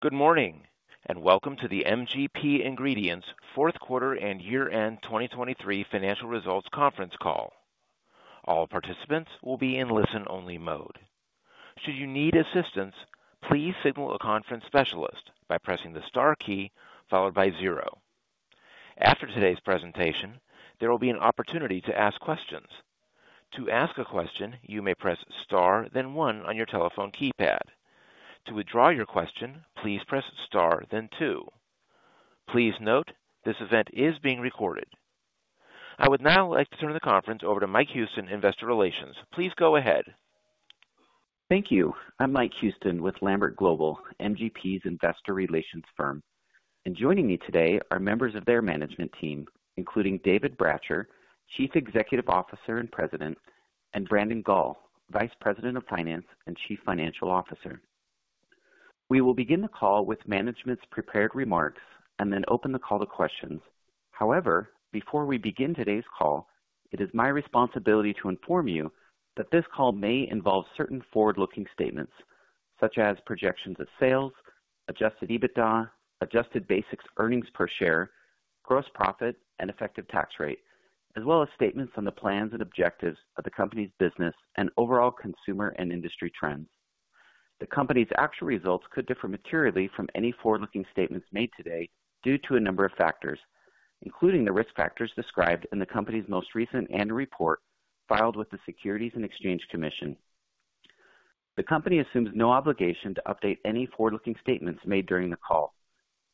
Good morning and welcome to the MGP Ingredients fourth quarter and year-end 2023 financial results Conference Call. All participants will be in listen-only mode. Should you need assistance, please signal a conference specialist by pressing the star key followed by zero. After today's presentation, there will be an opportunity to ask questions. To ask a question, you may Press Star then one your telephone keypad. To withdraw your question, please press star then two. Please note, this event is being recorded. I would now like to turn the conference over to Mike Houston, Investor Relations. Please go ahead. Thank you. I'm Mike Houston with Lambert Global, MGP's investor relations firm. And joining me today are members of their management team, including David Bratcher, Chief Executive Officer and President, and Brandon Gall, Vice President of Finance and Chief Financial Officer. We will begin the call with management's prepared remarks and then open the call to questions. However, before we begin today's call, it is my responsibility to inform you that this call may involve certain forward-looking statements, such as projections of sales, adjusted EBITDA, adjusted basic earnings per share, gross profit, and effective tax rate, as well as statements on the plans and objectives of the company's business and overall consumer and industry trends. The company's actual results could differ materially from any forward-looking statements made today due to a number of factors, including the risk factors described in the company's most recent annual report filed with the Securities and Exchange Commission. The company assumes no obligation to update any forward-looking statements made during the call.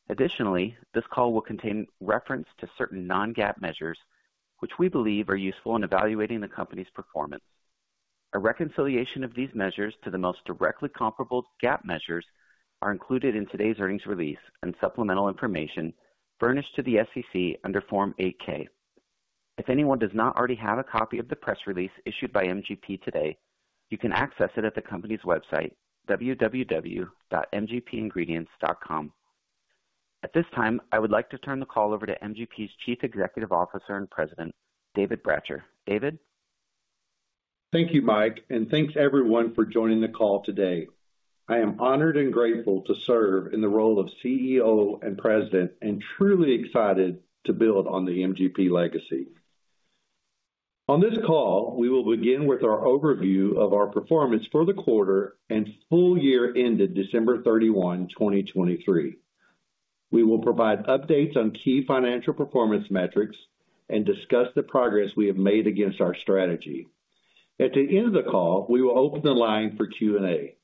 Additionally, this call will contain reference to certain non-GAAP measures, which we believe are useful in evaluating the company's performance. A reconciliation of these measures to the most directly comparable GAAP measures are included in today's earnings release and supplemental information furnished to the SEC under Form 8-K. If anyone does not already have a copy of the press release issued by MGP today, you can access it at the company's website, www.mgpingredients.com. At this time, I would like to turn the call over to MGP's Chief Executive Officer and President, David Bratcher. David? Thank you, Mike, and thanks everyone for joining the call today. I am honored and grateful to serve in the role of CEO and President and truly excited to build on the MGP legacy. On this call, we will begin with our overview of our performance for the quarter and full year ended 31st December, 2023. We will provide updates on key financial performance metrics and discuss the progress we have made against our strategy. At the end of the call, we will open the line for Q&A.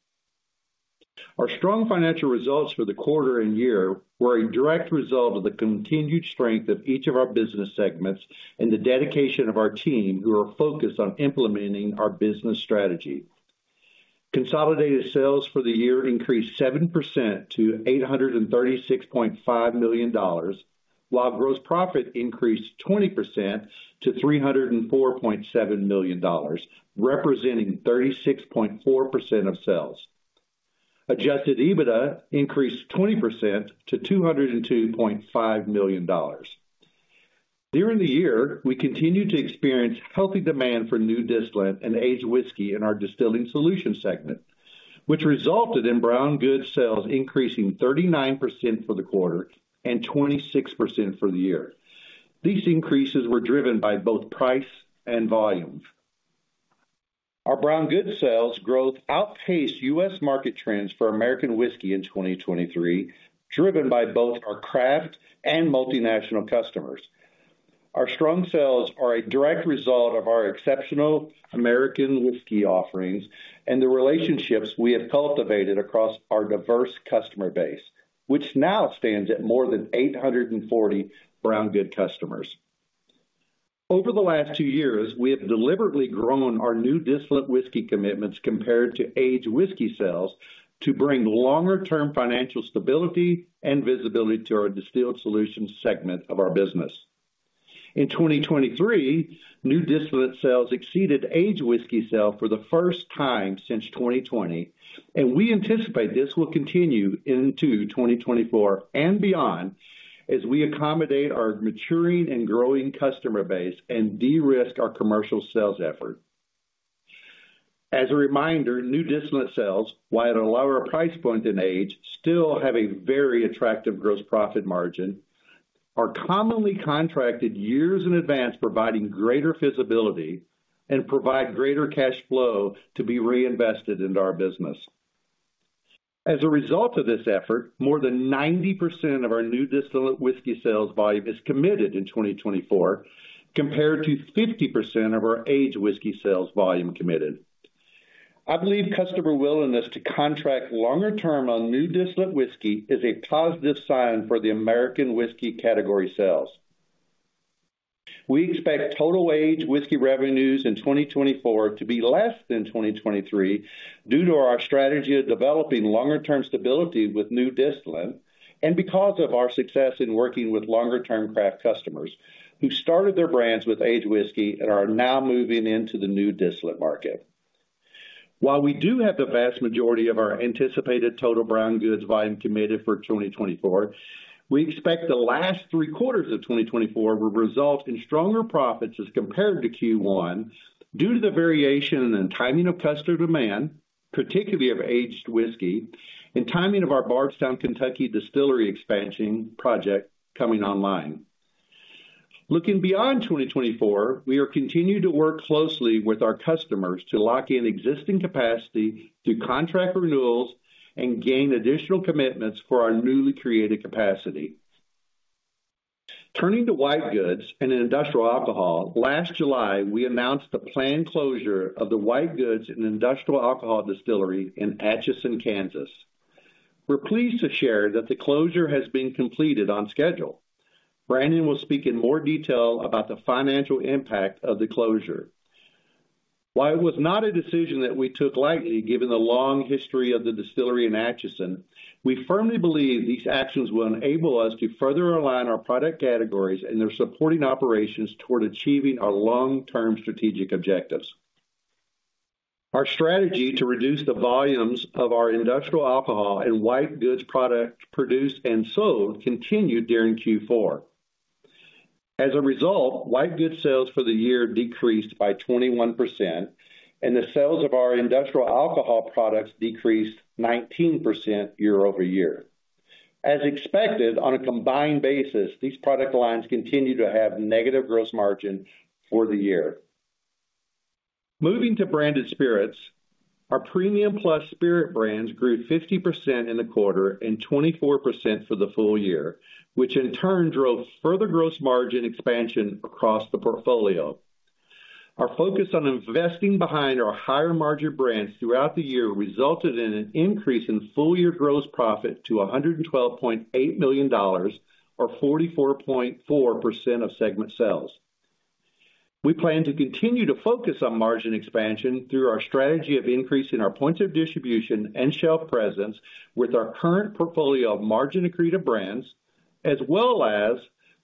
Our strong financial results for the quarter and year were a direct result of the continued strength of each of our business segments and the dedication of our team who are focused on implementing our business strategy. Consolidated sales for the year increased 7% to $836.5 million, while gross profit increased 20% to $304.7 million, representing 36.4% of sales. Adjusted EBITDA increased 20% to $202.5 million. During the year, we continued to experience healthy demand for new distillate and aged whisky in our distilling solutions segment, which resulted in brown goods sales increasing 39% for the quarter and 26% for the year. These increases were driven by both price and volume. Our brown goods sales growth outpaced U.S. market trends for American whisky in 2023, driven by both our craft and multinational customers. Our strong sales are a direct result of our exceptional American whisky offerings and the relationships we have cultivated across our diverse customer base, which now stands at more than 840 brown goods customers. Over the last two years, we have deliberately grown our new distillate whisky commitments compared to aged whisky sales to bring longer-term financial stability and visibility to our distilling solutions segment of our business. In 2023, new distillate sales exceeded aged whisky sales for the first time since 2020, and we anticipate this will continue into 2024 and beyond as we accommodate our maturing and growing customer base and de-risk our commercial sales efforts. As a reminder, new distillate sales, while at a lower price point than aged, still have a very attractive gross profit margin, are commonly contracted years in advance, providing greater feasibility and providing greater cash flow to be reinvested into our business. As a result of this effort, more than 90% of our new distillate whisky sales volume is committed in 2024 compared to 50% of our aged whisky sales volume committed. I believe customer willingness to contract longer-term on new distillate whisky is a positive sign for the American whisky category sales. We expect total aged whiskey revenues in 2024 to be less than 2023 due to our strategy of developing longer-term stability with new distillate and because of our success in working with longer-term craft customers who started their brands with aged whiskey and are now moving into the new distillate market. While we do have the vast majority of our anticipated total brown goods volume committed for 2024, we expect the last three quarters of 2024 will result in stronger profits as compared to Q1 due to the variation in the timing of customer demand, particularly of aged whiskey, and timing of our Bardstown, Kentucky distillery expansion project coming online. Looking beyond 2024, we are continuing to work closely with our customers to lock in existing capacity through contract renewals and gain additional commitments for our newly created capacity. Turning to white goods and industrial alcohol, last July, we announced the planned closure of the white goods and industrial alcohol distillery in Atchison, Kansas. We're pleased to share that the closure has been completed on schedule. Brandon will speak in more detail about the financial impact of the closure. While it was not a decision that we took lightly given the long history of the distillery in Atchison, we firmly believe these actions will enable us to further align our product categories and their supporting operations toward achieving our long-term strategic objectives. Our strategy to reduce the volumes of our industrial alcohol and white goods produced and sold continued during Q4. As a result, white goods sales for the year decreased by 21%, and the sales of our industrial alcohol products decreased 19% year-over-year. As expected, on a combined basis, these product lines continue to have negative gross margin for the year. Moving to Branded Spirits, our Premium Plus spirit brands grew 50% in the quarter and 24% for the full year, which in turn drove further gross margin expansion across the portfolio. Our focus on investing behind our higher margin brands throughout the year resulted in an increase in full year gross profit to $112.8 million, or 44.4% of segment sales. We plan to continue to focus on margin expansion through our strategy of increasing our points of distribution and shelf presence with our current portfolio of margin accretive brands, as well as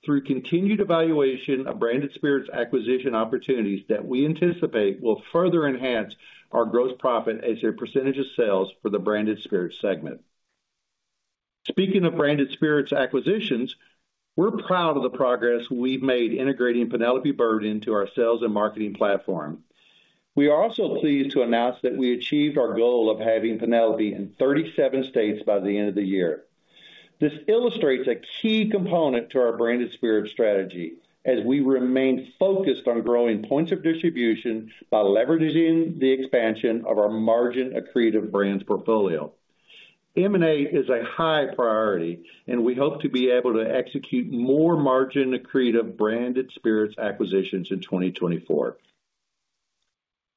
through continued evaluation of Branded Spirits acquisition opportunities that we anticipate will further enhance our gross profit as their percentage of sales for the Branded Spirits segment. Speaking of Branded Spirits acquisitions, we're proud of the progress we've made integrating Penelope Bourbon into our sales and marketing platform. We are also pleased to announce that we achieved our goal of having Penelope in 37 states by the end of the year. This illustrates a key component to our Branded Spirits strategy as we remain focused on growing points of distribution by leveraging the expansion of our margin accretive brands portfolio. M&A is a high priority, and we hope to be able to execute more margin accretive Branded Spirits acquisitions in 2024.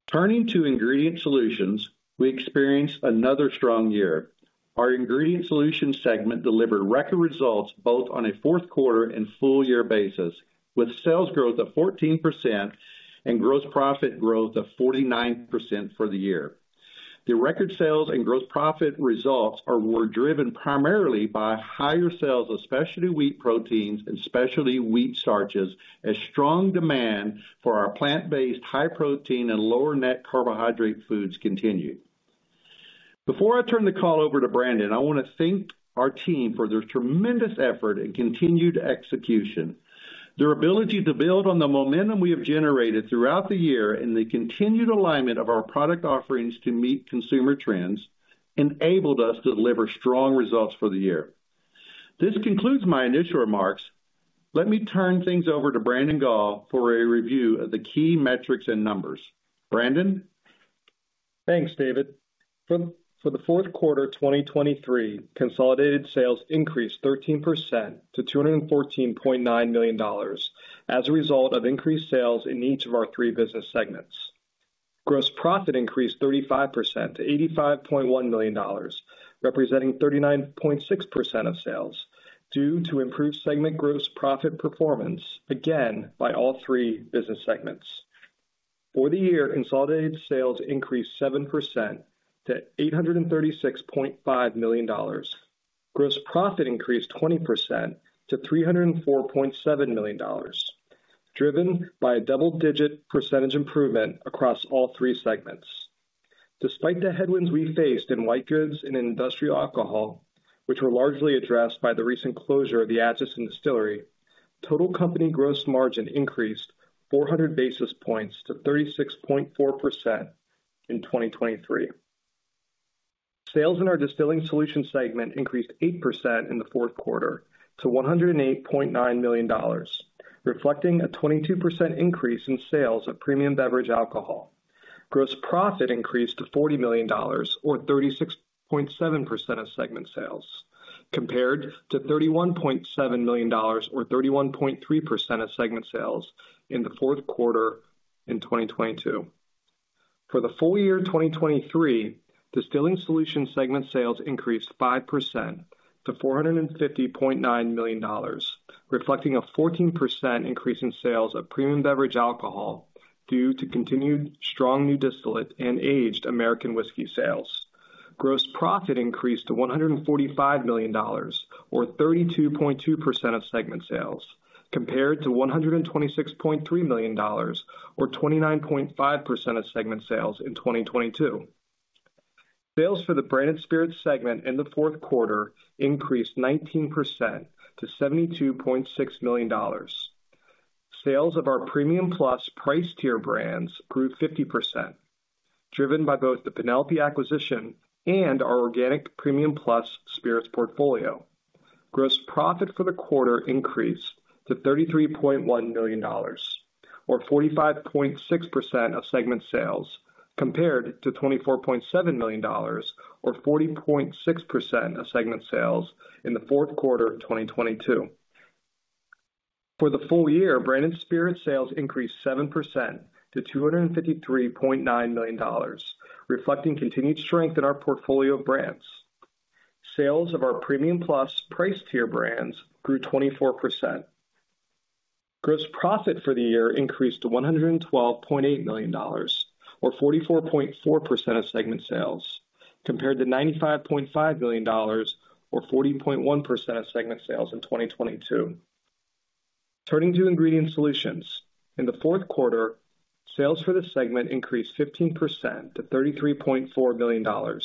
Turning to Ingredient Solutions, we experienced another strong year. Our Ingredient Solutions segment delivered record results both on a fourth quarter and full year basis, with sales growth of 14% and gross profit growth of 49% for the year. The record sales and gross profit results are driven primarily by higher sales of specialty wheat proteins and specialty wheat starches, as strong demand for our plant-based high protein and lower net carbohydrate foods continues. Before I turn the call over to Brandon, I want to thank our team for their tremendous effort and continued execution. Their ability to build on the momentum we have generated throughout the year and the continued alignment of our product offerings to meet consumer trends enabled us to deliver strong results for the year. This concludes my initial remarks. Let me turn things over to Brandon Gall for a review of the key metrics and numbers. Brandon? Thanks, David. For the fourth quarter 2023, consolidated sales increased 13% to $214.9 million as a result of increased sales in each of our three business segments. Gross profit increased 35% to $85.1 million, representing 39.6% of sales due to improved segment gross profit performance again by all three business segments. For the year, consolidated sales increased 7% to $836.5 million. Gross profit increased 20% to $304.7 million, driven by a double-digit percentage improvement across all three segments. Despite the headwinds we faced in white goods and industrial alcohol, which were largely addressed by the recent closure of the Atchison distillery, total company gross margin increased 400 basis points to 36.4% in 2023. Sales in our Distilling Solutions segment increased 8% in the fourth quarter to $108.9 million, reflecting a 22% increase in sales of premium beverage alcohol. Gross profit increased to $40 million, or 36.7% of segment sales, compared to $31.7 million, or 31.3% of segment sales in the fourth quarter in 2022. For the full year 2023, Distilling Solutions segment sales increased 5% to $450.9 million, reflecting a 14% increase in sales of premium beverage alcohol due to continued strong new distillate and aged American whiskey sales. Gross profit increased to $145 million, or 32.2% of segment sales, compared to $126.3 million, or 29.5% of segment sales in 2022. Sales for the Branded Spirits segment in the fourth quarter increased 19% to $72.6 million. Sales of our Premium Plus price tier brands grew 50%, driven by both the Penelope acquisition and our organic Premium Plus spirits portfolio. Gross profit for the quarter increased to $33.1 million, or 45.6% of segment sales, compared to $24.7 million, or 40.6% of segment sales in the fourth quarter 2022. For the full year, Branded Spirits sales increased 7% to $253.9 million, reflecting continued strength in our portfolio of brands. Sales of our Premium Plus price tier brands grew 24%. Gross profit for the year increased to $112.8 million, or 44.4% of segment sales, compared to $95.5 million, or 40.1% of segment sales in 2022. Turning to Ingredient Solutions in the fourth quarter, sales for this segment increased 15% to $33.4 million.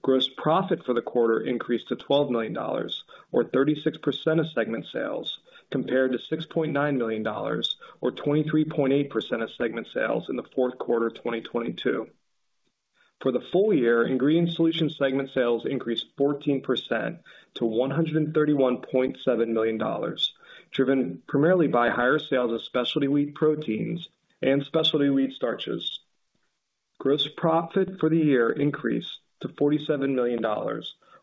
Gross profit for the quarter increased to $12 million, or 36% of segment sales, compared to $6.9 million, or 23.8% of segment sales in the fourth quarter 2022. For the full year, Ingredient Solutions segment sales increased 14% to $131.7 million, driven primarily by higher sales of specialty wheat proteins and specialty wheat starches. Gross profit for the year increased to $47 million, or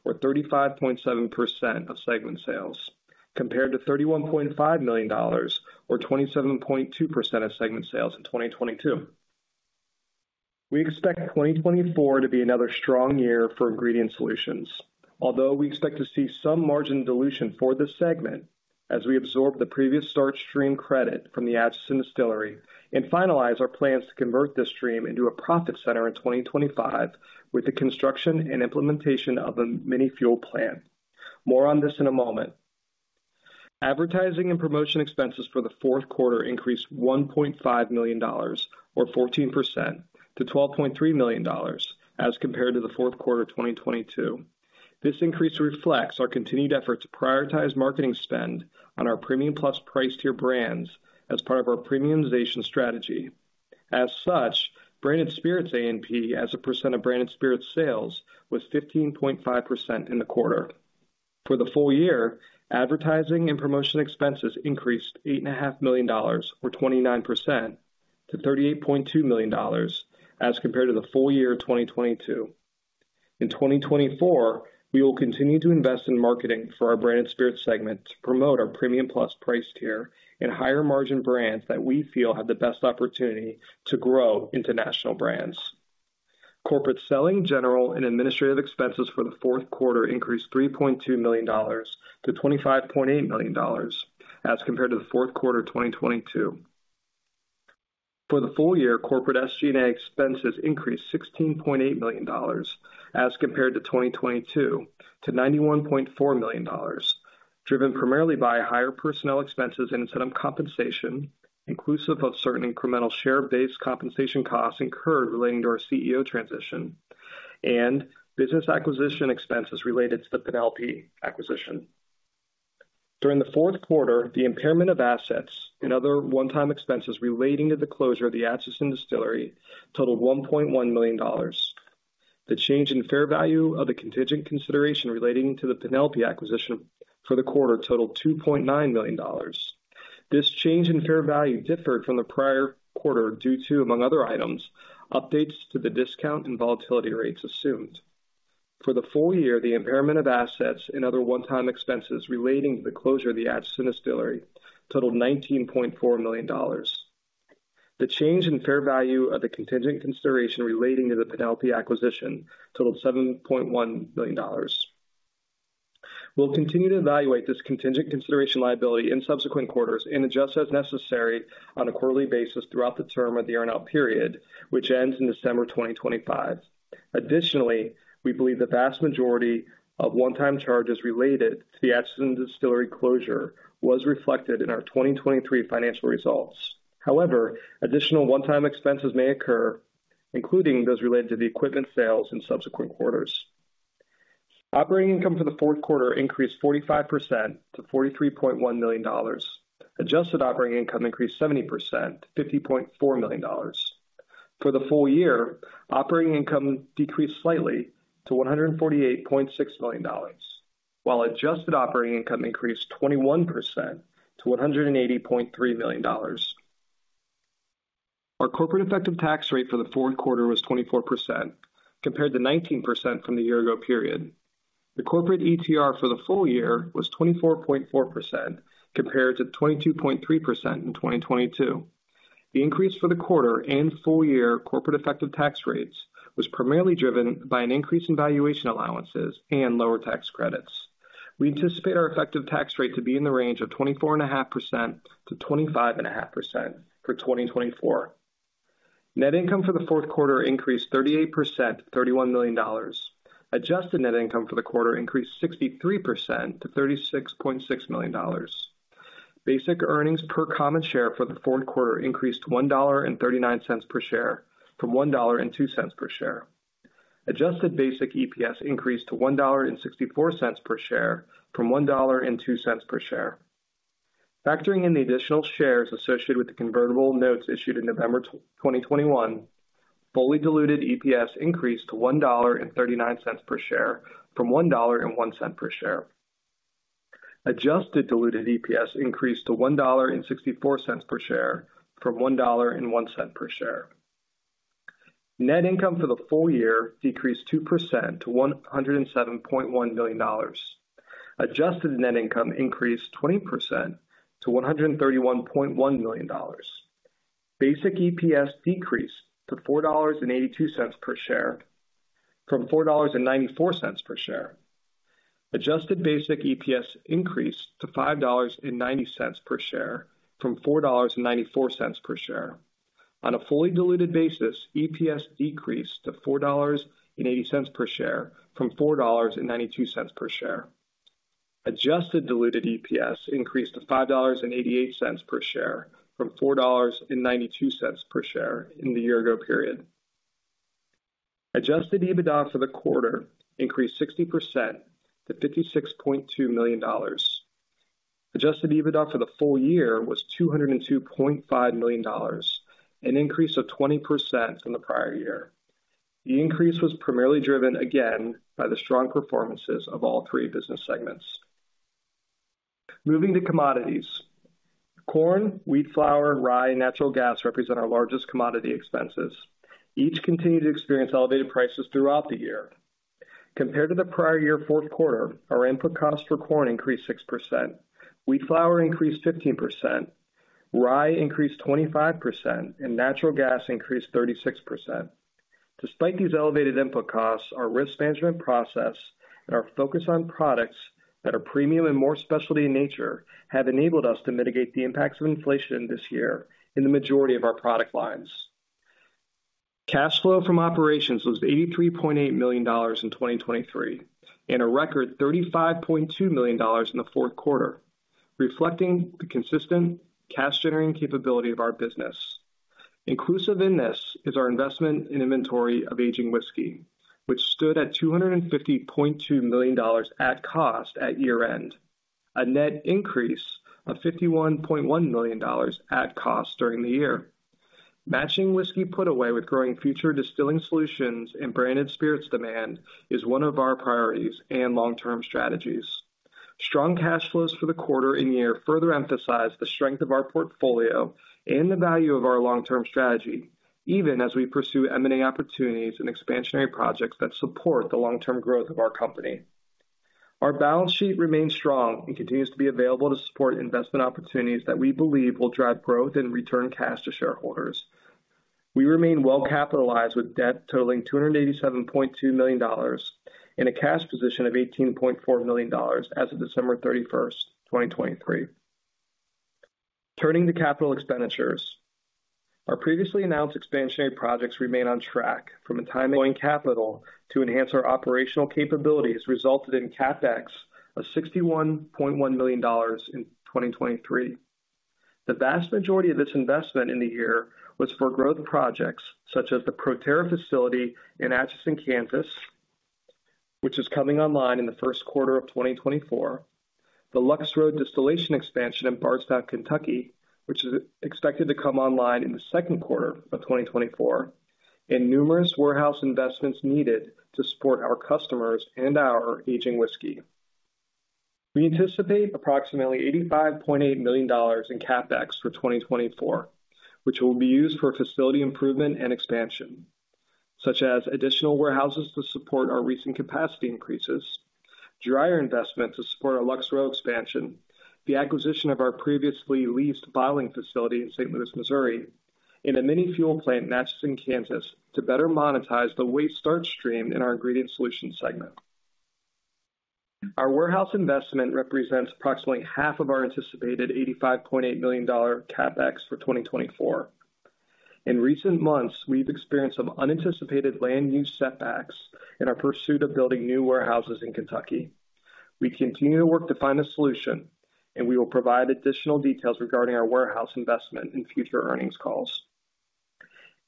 35.7% of segment sales, compared to $31.5 million, or 27.2% of segment sales in 2022. We expect 2024 to be another strong year for ingredient solutions, although we expect to see some margin dilution for this segment as we absorb the previous starch stream credit from the Atchison distillery and finalize our plans to convert this stream into a profit center in 2025 with the construction and implementation of a mini fuel plant. More on this in a moment. Advertising and promotion expenses for the fourth quarter increased $1.5 million, or 14%, to $12.3 million as compared to the fourth quarter 2022. This increase reflects our continued effort to prioritize marketing spend on our Premium Plus price tier brands as part of our premiumization strategy. As such, Branded Spirits A&P as a percent of Branded Spirits sales was 15.5% in the quarter. For the full year, advertising and promotion expenses increased $8.5 million, or 29%, to $38.2 million as compared to the full year 2022. In 2024, we will continue to invest in marketing for our Branded Spirits segment to promote our Premium Plus price tier and higher margin brands that we feel have the best opportunity to grow into national brands. Corporate selling general and administrative expenses for the fourth quarter increased $3.2 million to $25.8 million as compared to the fourth quarter 2022. For the full year, corporate SG&A expenses increased $16.8 million as compared to 2022 to $91.4 million, driven primarily by higher personnel expenses and incentive compensation, inclusive of certain incremental share-based compensation costs incurred relating to our CEO transition, and business acquisition expenses related to the Penelope acquisition. During the fourth quarter, the impairment of assets and other one-time expenses relating to the closure of the Atchison distillery totaled $1.1 million. The change in fair value of the contingent consideration relating to the Penelope acquisition for the quarter totaled $2.9 million. This change in fair value differed from the prior quarter due to, among other items, updates to the discount and volatility rates assumed. For the full year, the impairment of assets and other one-time expenses relating to the closure of the Atchison distillery totaled $19.4 million. The change in fair value of the contingent consideration relating to the Penelope acquisition totaled $7.1 million. We'll continue to evaluate this contingent consideration liability in subsequent quarters and adjust as necessary on a quarterly basis throughout the term of the earnout period, which ends in December 2025. Additionally, we believe the vast majority of one-time charges related to the Atchison distillery closure was reflected in our 2023 financial results. However, additional one-time expenses may occur, including those related to the equipment sales in subsequent quarters. Operating income for the fourth quarter increased 45% to $43.1 million. Adjusted operating income increased 70% to $50.4 million. For the full year, operating income decreased slightly to $148.6 million, while adjusted operating income increased 21% to $180.3 million. Our corporate effective tax rate for the fourth quarter was 24%, compared to 19% from the year ago period. The corporate ETR for the full year was 24.4%, compared to 22.3% in 2022. The increase for the quarter and full year corporate effective tax rates was primarily driven by an increase in valuation allowances and lower tax credits. We anticipate our effective tax rate to be in the range of 24.5%-25.5% for 2024. Net income for the fourth quarter increased 38% to $31 million. Adjusted net income for the quarter increased 63% to $36.6 million. Basic earnings per common share for the fourth quarter increased $1.39 per share from $1.02 per share. Adjusted Basic EPS increased to $1.64 per share from $1.02 per share. Factoring in the additional shares associated with the convertible notes issued in November 2021, Fully Diluted EPS increased to $1.39 per share from $1.01 per share. Adjusted Diluted EPS increased to $1.64 per share from $1.01 per share. Net income for the full year decreased 2% to $107.1 million. Adjusted net income increased 20% to $131.1 million. Basic EPS decreased to $4.82 per share from $4.94 per share. Adjusted Basic EPS increased to $5.90 per share from $4.94 per share. On a fully diluted basis, EPS decreased to $4.80 per share from $4.92 per share. Adjusted diluted EPS increased to $5.88 per share from $4.92 per share in the year ago period. Adjusted EBITDA for the quarter increased 60% to $56.2 million. Adjusted EBITDA for the full year was $202.5 million, an increase of 20% from the prior year. The increase was primarily driven, again, by the strong performances of all three business segments. Moving to commodities. Corn, wheat flour, rye, and natural gas represent our largest commodity expenses. Each continued to experience elevated prices throughout the year. Compared to the prior year fourth quarter, our input costs for corn increased 6%. Wheat flour increased 15%. Rye increased 25%, and natural gas increased 36%. Despite these elevated input costs, our risk management process and our focus on products that are premium and more specialty in nature have enabled us to mitigate the impacts of inflation this year in the majority of our product lines. Cash flow from operations was $83.8 million in 2023 and a record $35.2 million in the fourth quarter, reflecting the consistent cash-generating capability of our business. Inclusive in this is our investment in inventory of aging whiskey, which stood at $250.2 million at cost at year end, a net increase of $51.1 million at cost during the year. Matching whiskey put away with growing future distilling solutions and branded spirits demand is one of our priorities and long-term strategies. Strong cash flows for the quarter and year further emphasize the strength of our portfolio and the value of our long-term strategy, even as we pursue emerging opportunities and expansionary projects that support the long-term growth of our company. Our balance sheet remains strong and continues to be available to support investment opportunities that we believe will drive growth and return cash to shareholders. We remain well-capitalized with debt totaling $287.2 million and a cash position of $18.4 million as of 31st December 2023. Turning to capital expenditures. Our previously announced expansionary projects remain on track on time. Capital expenditures to enhance our operational capabilities resulted in CapEx of $61.1 million in 2023. The vast majority of this investment in the year was for growth projects such as the Proterra facility in Atchison, Kansas, which is coming online in the first quarter of 2024. The Lux Row distillation expansion in Bardstown, Kentucky, which is expected to come online in the second quarter of 2024. Numerous warehouse investments needed to support our customers and our aging whiskey. We anticipate approximately $85.8 million in CapEx for 2024, which will be used for facility improvement and expansion, such as additional warehouses to support our recent capacity increases, dryer investment to support our Lux Row expansion, the acquisition of our previously leased biofuel facility in St. Louis, Missouri, and a mini biofuel plant in Atchison, Kansas, to better monetize the waste starch stream in our Ingredient Solutions segment. Our warehouse investment represents approximately half of our anticipated $85.8 million CapEx for 2024. In recent months, we've experienced some unanticipated land use setbacks in our pursuit of building new warehouses in Kentucky. We continue to work to find a solution, and we will provide additional details regarding our warehouse investment in future earnings calls.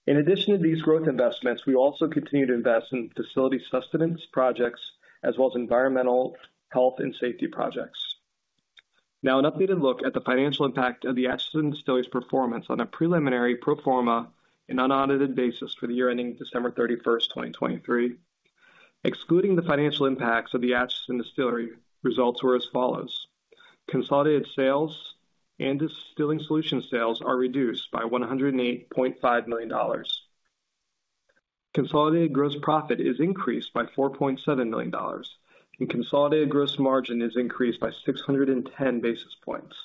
In addition to these growth investments, we also continue to invest in facility sustenance projects, as well as environmental, health, and safety projects. Now, an updated look at the financial impact of the Atchison distillery's performance on a preliminary pro forma and unaudited basis for the year ending 31st December 2023. Excluding the financial impacts of the Atchison distillery, results were as follows. Consolidated sales and Distilling Solutions sales are reduced by $108.5 million. Consolidated gross profit is increased by $4.7 million, and consolidated gross margin is increased by 610 basis points.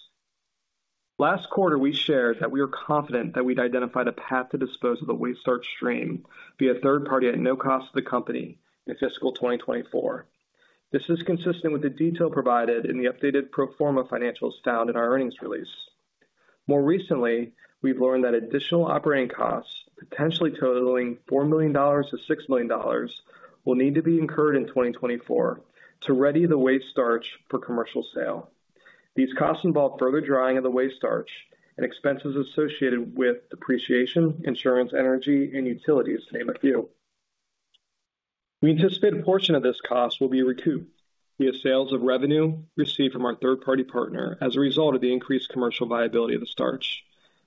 Last quarter, we shared that we were confident that we'd identified a path to dispose of the waste starch stream via a third party at no cost to the company in fiscal 2024. This is consistent with the detail provided in the updated pro forma financials found in our earnings release. More recently, we've learned that additional operating costs, potentially totaling $4 million-$6 million, will need to be incurred in 2024 to ready the waste starch for commercial sale. These costs involve further drying of the waste starch and expenses associated with depreciation, insurance, energy, and utilities, to name a few. We anticipate a portion of this cost will be recouped via sales of revenue received from our third party partner as a result of the increased commercial viability of the starch.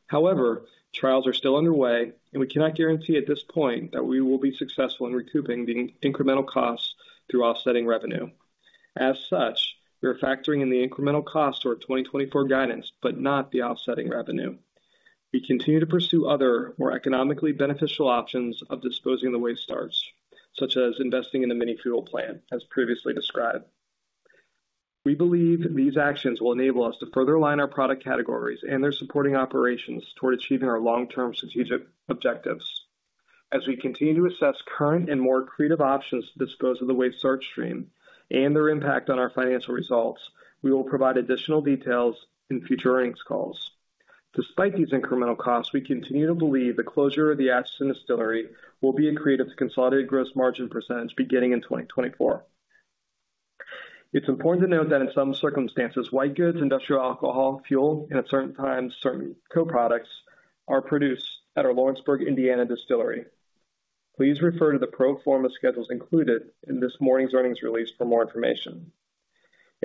However, trials are still underway, and we cannot guarantee at this point that we will be successful in recouping the incremental costs through offsetting revenue. As such, we are factoring in the incremental costs for our 2024 guidance, but not the offsetting revenue. We continue to pursue other, more economically beneficial options of disposing of the waste starch, such as investing in a mini fuel plant, as previously described. We believe these actions will enable us to further align our product categories and their supporting operations toward achieving our long-term strategic objectives. As we continue to assess current and more creative options to dispose of the waste starch stream and their impact on our financial results, we will provide additional details in future earnings calls. Despite these incremental costs, we continue to believe the closure of the Atchison distillery will be accretive to consolidated gross margin percentage beginning in 2024. It's important to note that in some circumstances, white goods, industrial alcohol, fuel, and at certain times, certain co-products are produced at our Lawrenceburg, Indiana distillery. Please refer to the pro forma schedules included in this morning's earnings release for more information.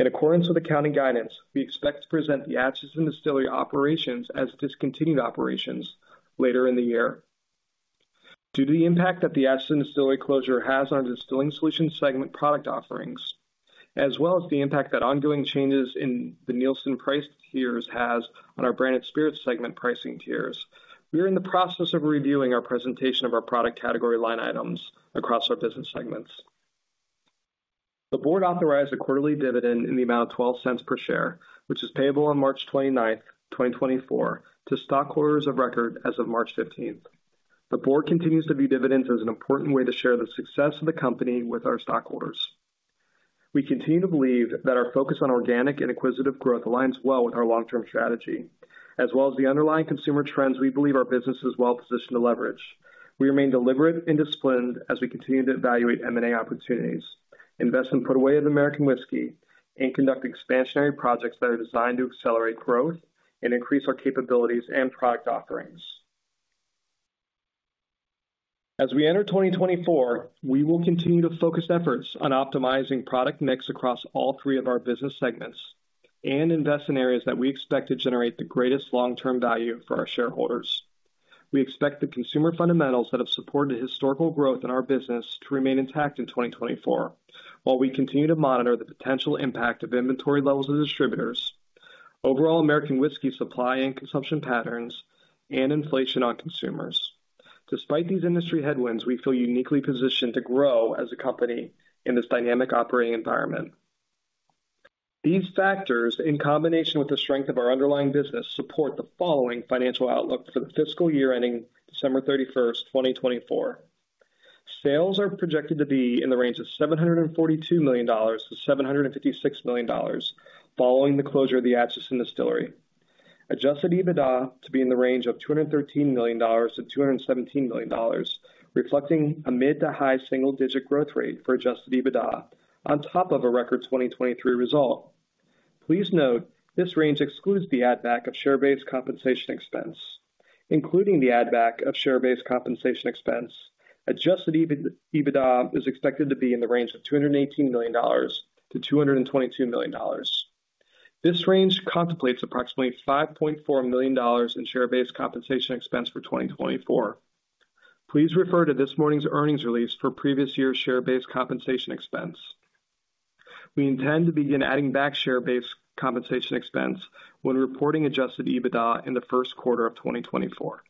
In accordance with accounting guidance, we expect to present the Atchison distillery operations as discontinued operations later in the year. Due to the impact that the Atchison distillery closure has on our Distilling Solutions segment product offerings, as well as the impact that ongoing changes in the Nielsen price tiers have on our Branded Spirits segment pricing tiers, we are in the process of reviewing our presentation of our product category line items across our business segments. The board authorized a quarterly dividend in the amount of $0.12 per share, which is payable on 29th March 2024, to stockholders of record as of 12th March. The board continues to view dividends as an important way to share the success of the company with our stockholders. We continue to believe that our focus on organic and acquisitive growth aligns well with our long-term strategy, as well as the underlying consumer trends we believe our business is well-positioned to leverage. We remain deliberate and disciplined as we continue to evaluate M&A opportunities, invest in put away of American whisky, and conduct expansionary projects that are designed to accelerate growth and increase our capabilities and product offerings. As we enter 2024, we will continue to focus efforts on optimizing product mix across all three of our business segments and invest in areas that we expect to generate the greatest long-term value for our shareholders. We expect the consumer fundamentals that have supported historical growth in our business to remain intact in 2024, while we continue to monitor the potential impact of inventory levels of distributors, overall American whisky supply and consumption patterns, and inflation on consumers. Despite these industry headwinds, we feel uniquely positioned to grow as a company in this dynamic operating environment. These factors, in combination with the strength of our underlying business, support the following financial outlook for the fiscal year ending 31st December 2024. Sales are projected to be in the range of $742 million-$756 million following the closure of the Atchison distillery. Adjusted EBITDA to be in the range of $213 million-$217 million, reflecting a mid to high single-digit growth rate for adjusted EBITDA on top of a record 2023 result. Please note, this range excludes the add-back of share-based compensation expense. Including the add-back of share-based compensation expense, adjusted EBITDA is expected to be in the range of $218 million-$222 million. This range contemplates approximately $5.4 million in share-based compensation expense for 2024. Please refer to this morning's earnings release for previous year's share-based compensation expense. We intend to begin adding back share-based compensation expense when reporting Adjusted EBITDA in the first quarter of 2024.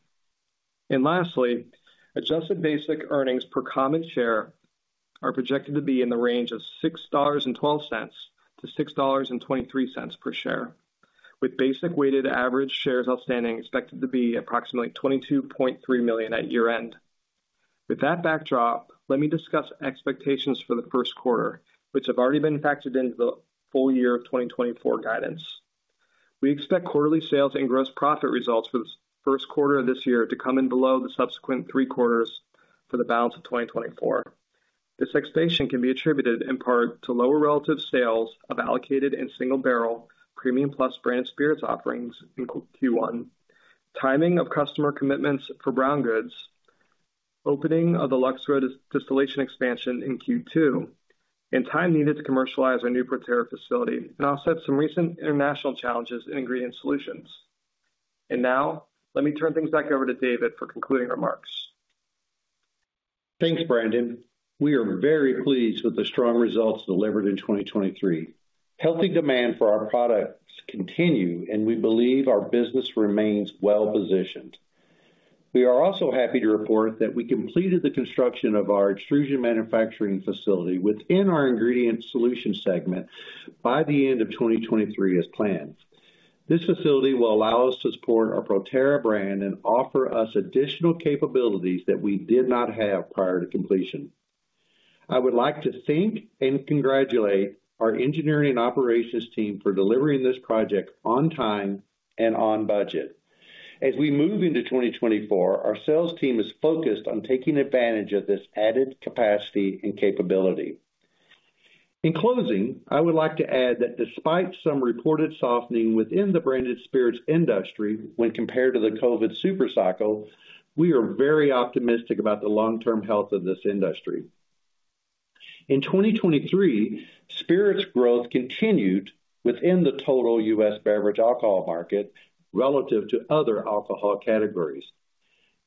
Lastly, adjusted basic earnings per common share are projected to be in the range of $6.12-$6.23 per share, with basic weighted average shares outstanding expected to be approximately 22.3 million at year end. With that backdrop, let me discuss expectations for the first quarter, which have already been factored into the full year of 2024 guidance. We expect quarterly sales and gross profit results for the first quarter of this year to come in below the subsequent three quarters for the balance of 2024. This expectation can be attributed in part to lower relative sales of allocated and single-barrel Premium Plus branded spirits offerings in Q1, timing of customer commitments for brown goods, opening of the Lux Row distillation expansion in Q2, and time needed to commercialize our new Proterra facility, and also some recent international challenges in Ingredient Solutions. Now, let me turn things back over to David for concluding remarks. Thanks, Brandon. We are very pleased with the strong results delivered in 2023. Healthy demand for our products continues, and we believe our business remains well-positioned. We are also happy to report that we completed the construction of our extrusion manufacturing facility within our Ingredient Solutions segment by the end of 2023 as planned. This facility will allow us to support our Proterra brand and offer us additional capabilities that we did not have prior to completion. I would like to thank and congratulate our engineering and operations team for delivering this project on time and on budget. As we move into 2024, our sales team is focused on taking advantage of this added capacity and capability. In closing, I would like to add that despite some reported softening within the Branded Spirits industry when compared to the COVID super cycle, we are very optimistic about the long-term health of this industry. In 2023, spirits growth continued within the total U.S. beverage alcohol market relative to other alcohol categories.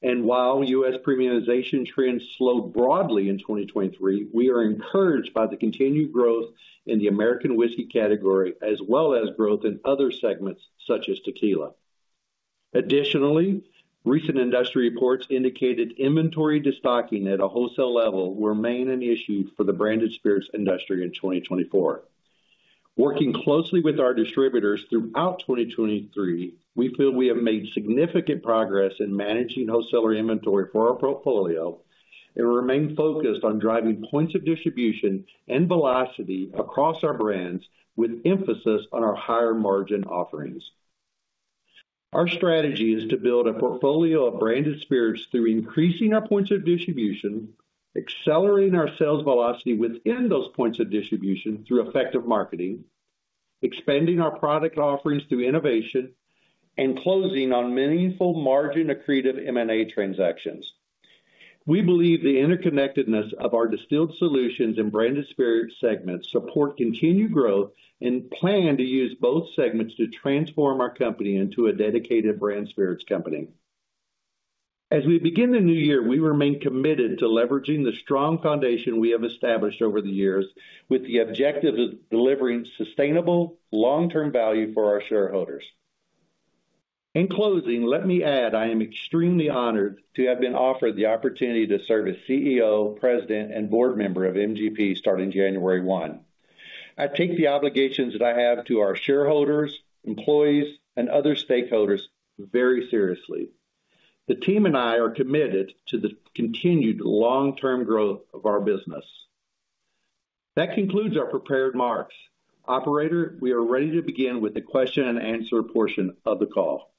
And while U.S. premiumization trends slowed broadly in 2023, we are encouraged by the continued growth in the American whisky category, as well as growth in other segments such as tequila. Additionally, recent industry reports indicated inventory destocking at a wholesale level will remain an issue for the Branded Spirits industry in 2024. Working closely with our distributors throughout 2023, we feel we have made significant progress in managing wholesaler inventory for our portfolio and remain focused on driving points of distribution and velocity across our brands with emphasis on our higher margin offerings. Our strategy is to build a portfolio of branded spirits through increasing our points of distribution, accelerating our sales velocity within those points of distribution through effective marketing, expanding our product offerings through innovation, and closing on meaningful margin accretive M&A transactions. We believe the interconnectedness of our Distilling Solutions and Branded Spirits segments supports continued growth and plans to use both segments to transform our company into a dedicated branded spirits company. As we begin the new year, we remain committed to leveraging the strong foundation we have established over the years with the objective of delivering sustainable long-term value for our shareholders. In closing, let me add I am extremely honored to have been offered the opportunity to serve as CEO, President, and board member of MGP starting 1st January. I take the obligations that I have to our shareholders, employees, and other stakeholders very seriously. The team and I are committed to the continued long-term growth of our business. That concludes our prepared remarks. Operator, we are ready to begin with the question and answer portion of the call.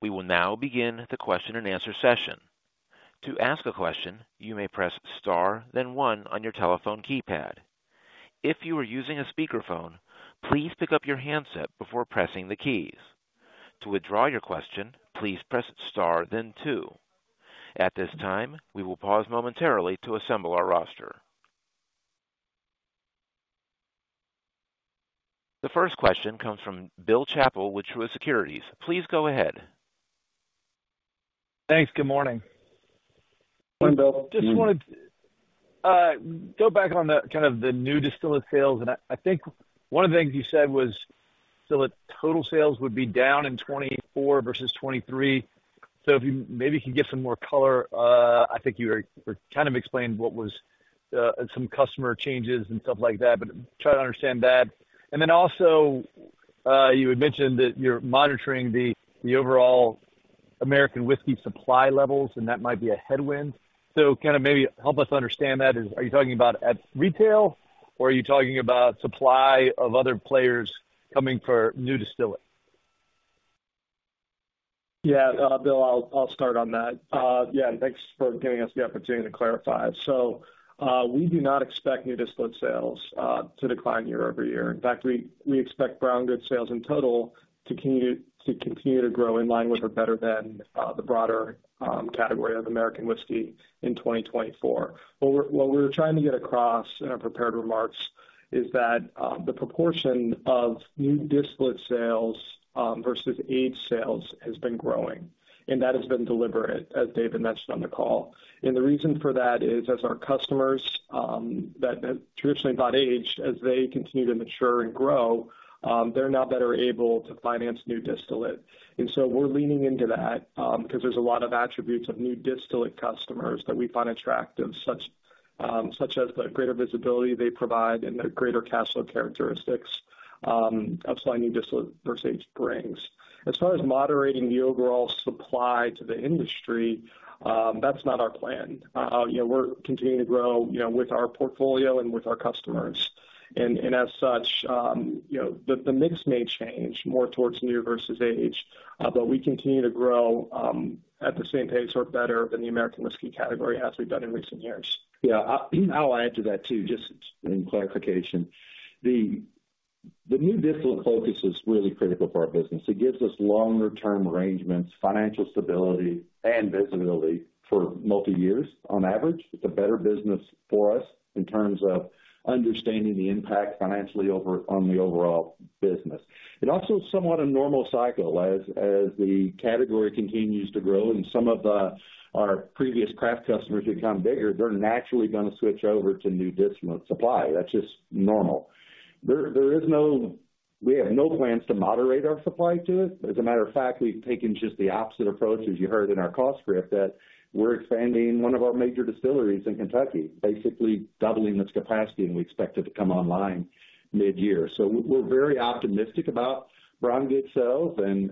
We will now begin the question and answer session. To ask a question, you may press star, then one on your telephone keypad. If you are using a speakerphone, please pick up your handset before pressing the keys. To withdraw your question, please press star, then two. At this time, we will pause momentarily to assemble our roster. The first question comes from Bill Chappell with Truist Securities. Please go ahead. Thanks. Good morning. Morning, Bill. Just wanted to go back on kind of the new distillate sales, and I think one of the things you said was still that total sales would be down in 2024 versus 2023. So if you maybe could get some more color, I think you kind of explained what was some customer changes and stuff like that, but try to understand that. And then also, you had mentioned that you're monitoring the overall American whisky supply levels, and that might be a headwind. So kind of maybe help us understand that. Are you talking about at retail, or are you talking about supply of other players coming for new distillate? Yeah, Bill, I'll start on that. Yeah, thanks for giving us the opportunity to clarify. So we do not expect new distillate sales to decline year over year. In fact, we expect Brown Goods sales in total to continue to grow in line with or better than the broader category of American whiskey in 2024. What we're trying to get across in our prepared remarks is that the proportion of New Distillate sales versus aged sales has been growing, and that has been deliberate, as David mentioned on the call. And the reason for that is, as our customers that traditionally bought aged, as they continue to mature and grow, they're now better able to finance new distillate. And so we're leaning into that because there's a lot of attributes of New Distillate customers that we find attractive, such as the greater visibility they provide and the greater cash flow characteristics of selling New Distillate versus aged brands. As far as moderating the overall supply to the industry, that's not our plan. We're continuing to grow with our portfolio and with our customers. As such, the mix may change more towards new versus aged, but we continue to grow at the same pace or better than the American whisky category has. We've done in recent years. Yeah, I'll add to that too, just in clarification. The new distillate focus is really critical for our business. It gives us longer-term arrangements, financial stability, and visibility for multi-years on average. It's a better business for us in terms of understanding the impact financially on the overall business. It also is somewhat a normal cycle. As the category continues to grow and some of our previous craft customers become bigger, they're naturally going to switch over to new distillate supply. That's just normal. We have no plans to moderate our supply to it. As a matter of fact, we've taken just the opposite approach, as you heard in our cost script, that we're expanding one of our major distilleries in Kentucky, basically doubling its capacity, and we expect it to come online mid-year. So we're very optimistic about brown goods sales and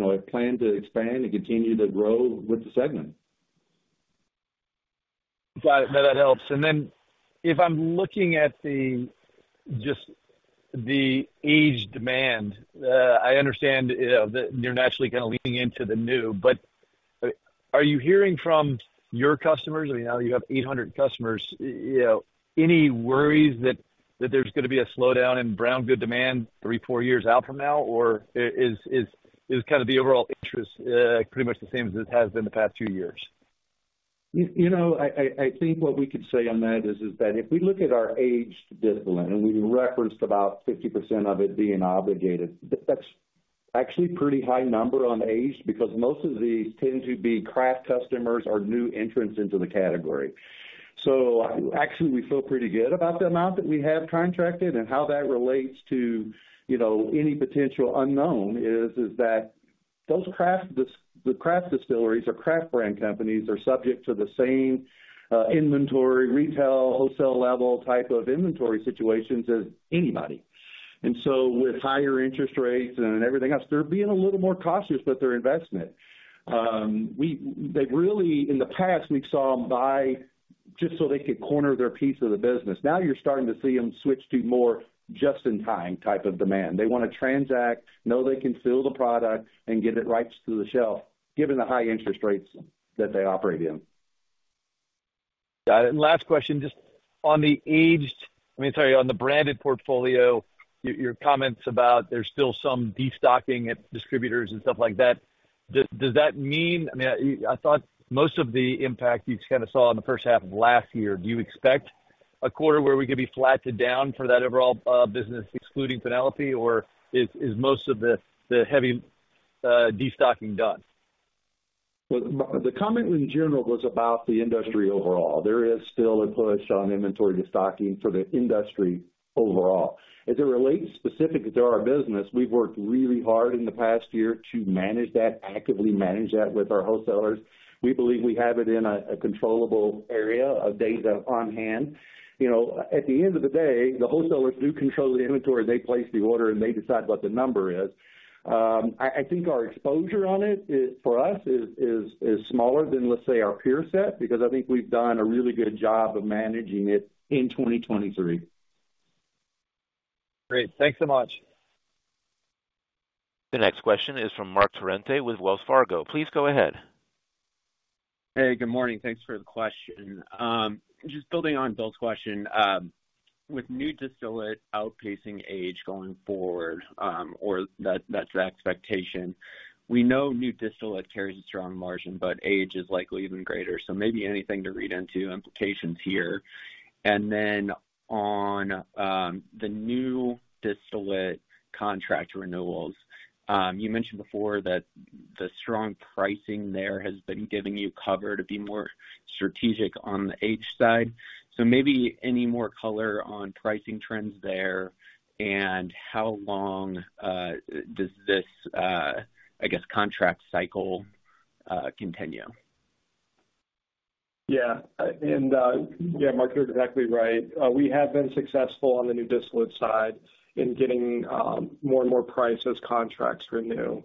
have planned to expand and continue to grow with the segment. Got it. No, that helps. And then if I'm looking at just the aged demand, I understand that you're naturally kind of leaning into the new, but are you hearing from your customers? I mean, now you have 800 customers. Any worries that there's going to be a slowdown in brown good demand three, four years out from now, or is kind of the overall interest pretty much the same as it has been the past few years? I think what we could say on that is that if we look at our aged distillate and we referenced about 50% of it being obligated, that's actually a pretty high number on aged because most of these tend to be craft customers or new entrants into the category. So actually, we feel pretty good about the amount that we have contracted, and how that relates to any potential unknown is that those craft distilleries or craft brand companies are subject to the same inventory retail, wholesale level type of inventory situations as anybody. And so with higher interest rates and everything else, they're being a little more cautious with their investment. In the past, we saw them buy just so they could corner their piece of the business. Now you're starting to see them switch to more just-in-time type of demand. They want to transact, know they can fill the product, and get it right to the shelf given the high interest rates that they operate in. Got it. Last question, just on the aged, I mean, sorry, on the branded portfolio, your comments about there's still some destocking at distributors and stuff like that. Does that mean, I mean, I thought most of the impact you kind of saw in the first half of last year. Do you expect a quarter where we could be flattened down for that overall business excluding Penelope, or is most of the heavy destocking done? Well, the comment in general was about the industry overall. There is still a push on inventory destocking for the industry overall. As it relates specifically to our business, we've worked really hard in the past year to actively manage that with our wholesalers. We believe we have it in a controllable area of data on hand. At the end of the day, the wholesalers do control the inventory. They place the order, and they decide what the number is. I think our exposure on it for us is smaller than, let's say, our peer set because I think we've done a really good job of managing it in 2023. Great. Thanks so much. The next question is from Marc Torrente with Wells Fargo. Please go ahead. Hey, good morning. Thanks for the question. Just building on Bill's question, with new distillate outpacing age going forward, or that's the expectation, we know new distillate carries a strong margin, but age is likely even greater. So maybe anything to read into implications here? And then on the new distillate contract renewals, you mentioned before that the strong pricing there has been giving you cover to be more strategic on the aged side. So maybe any more color on pricing trends there and how long does this, I guess, contract cycle continue? Yeah. Yeah, Mark's exactly right. We have been successful on the new distillate side in getting more and more priced contracts renewed.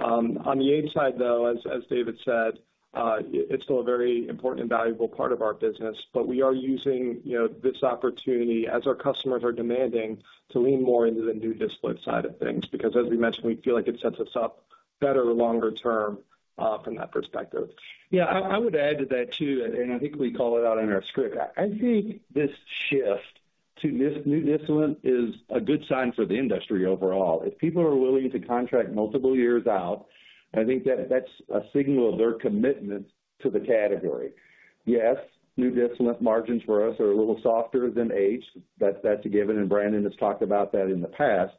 On the aged side, though, as David said, it's still a very important and valuable part of our business, but we are using this opportunity, as our customers are demanding, to lean more into the new distillate side of things because, as we mentioned, we feel like it sets us up better longer term from that perspective. Yeah, I would add to that too, and I think we call it out in our script. I think this shift to new distillate is a good sign for the industry overall. If people are willing to contract multiple years out, I think that's a signal of their commitment to the category. Yes, new distillate margins for us are a little softer than aged. That's a given, and Brandon has talked about that in the past.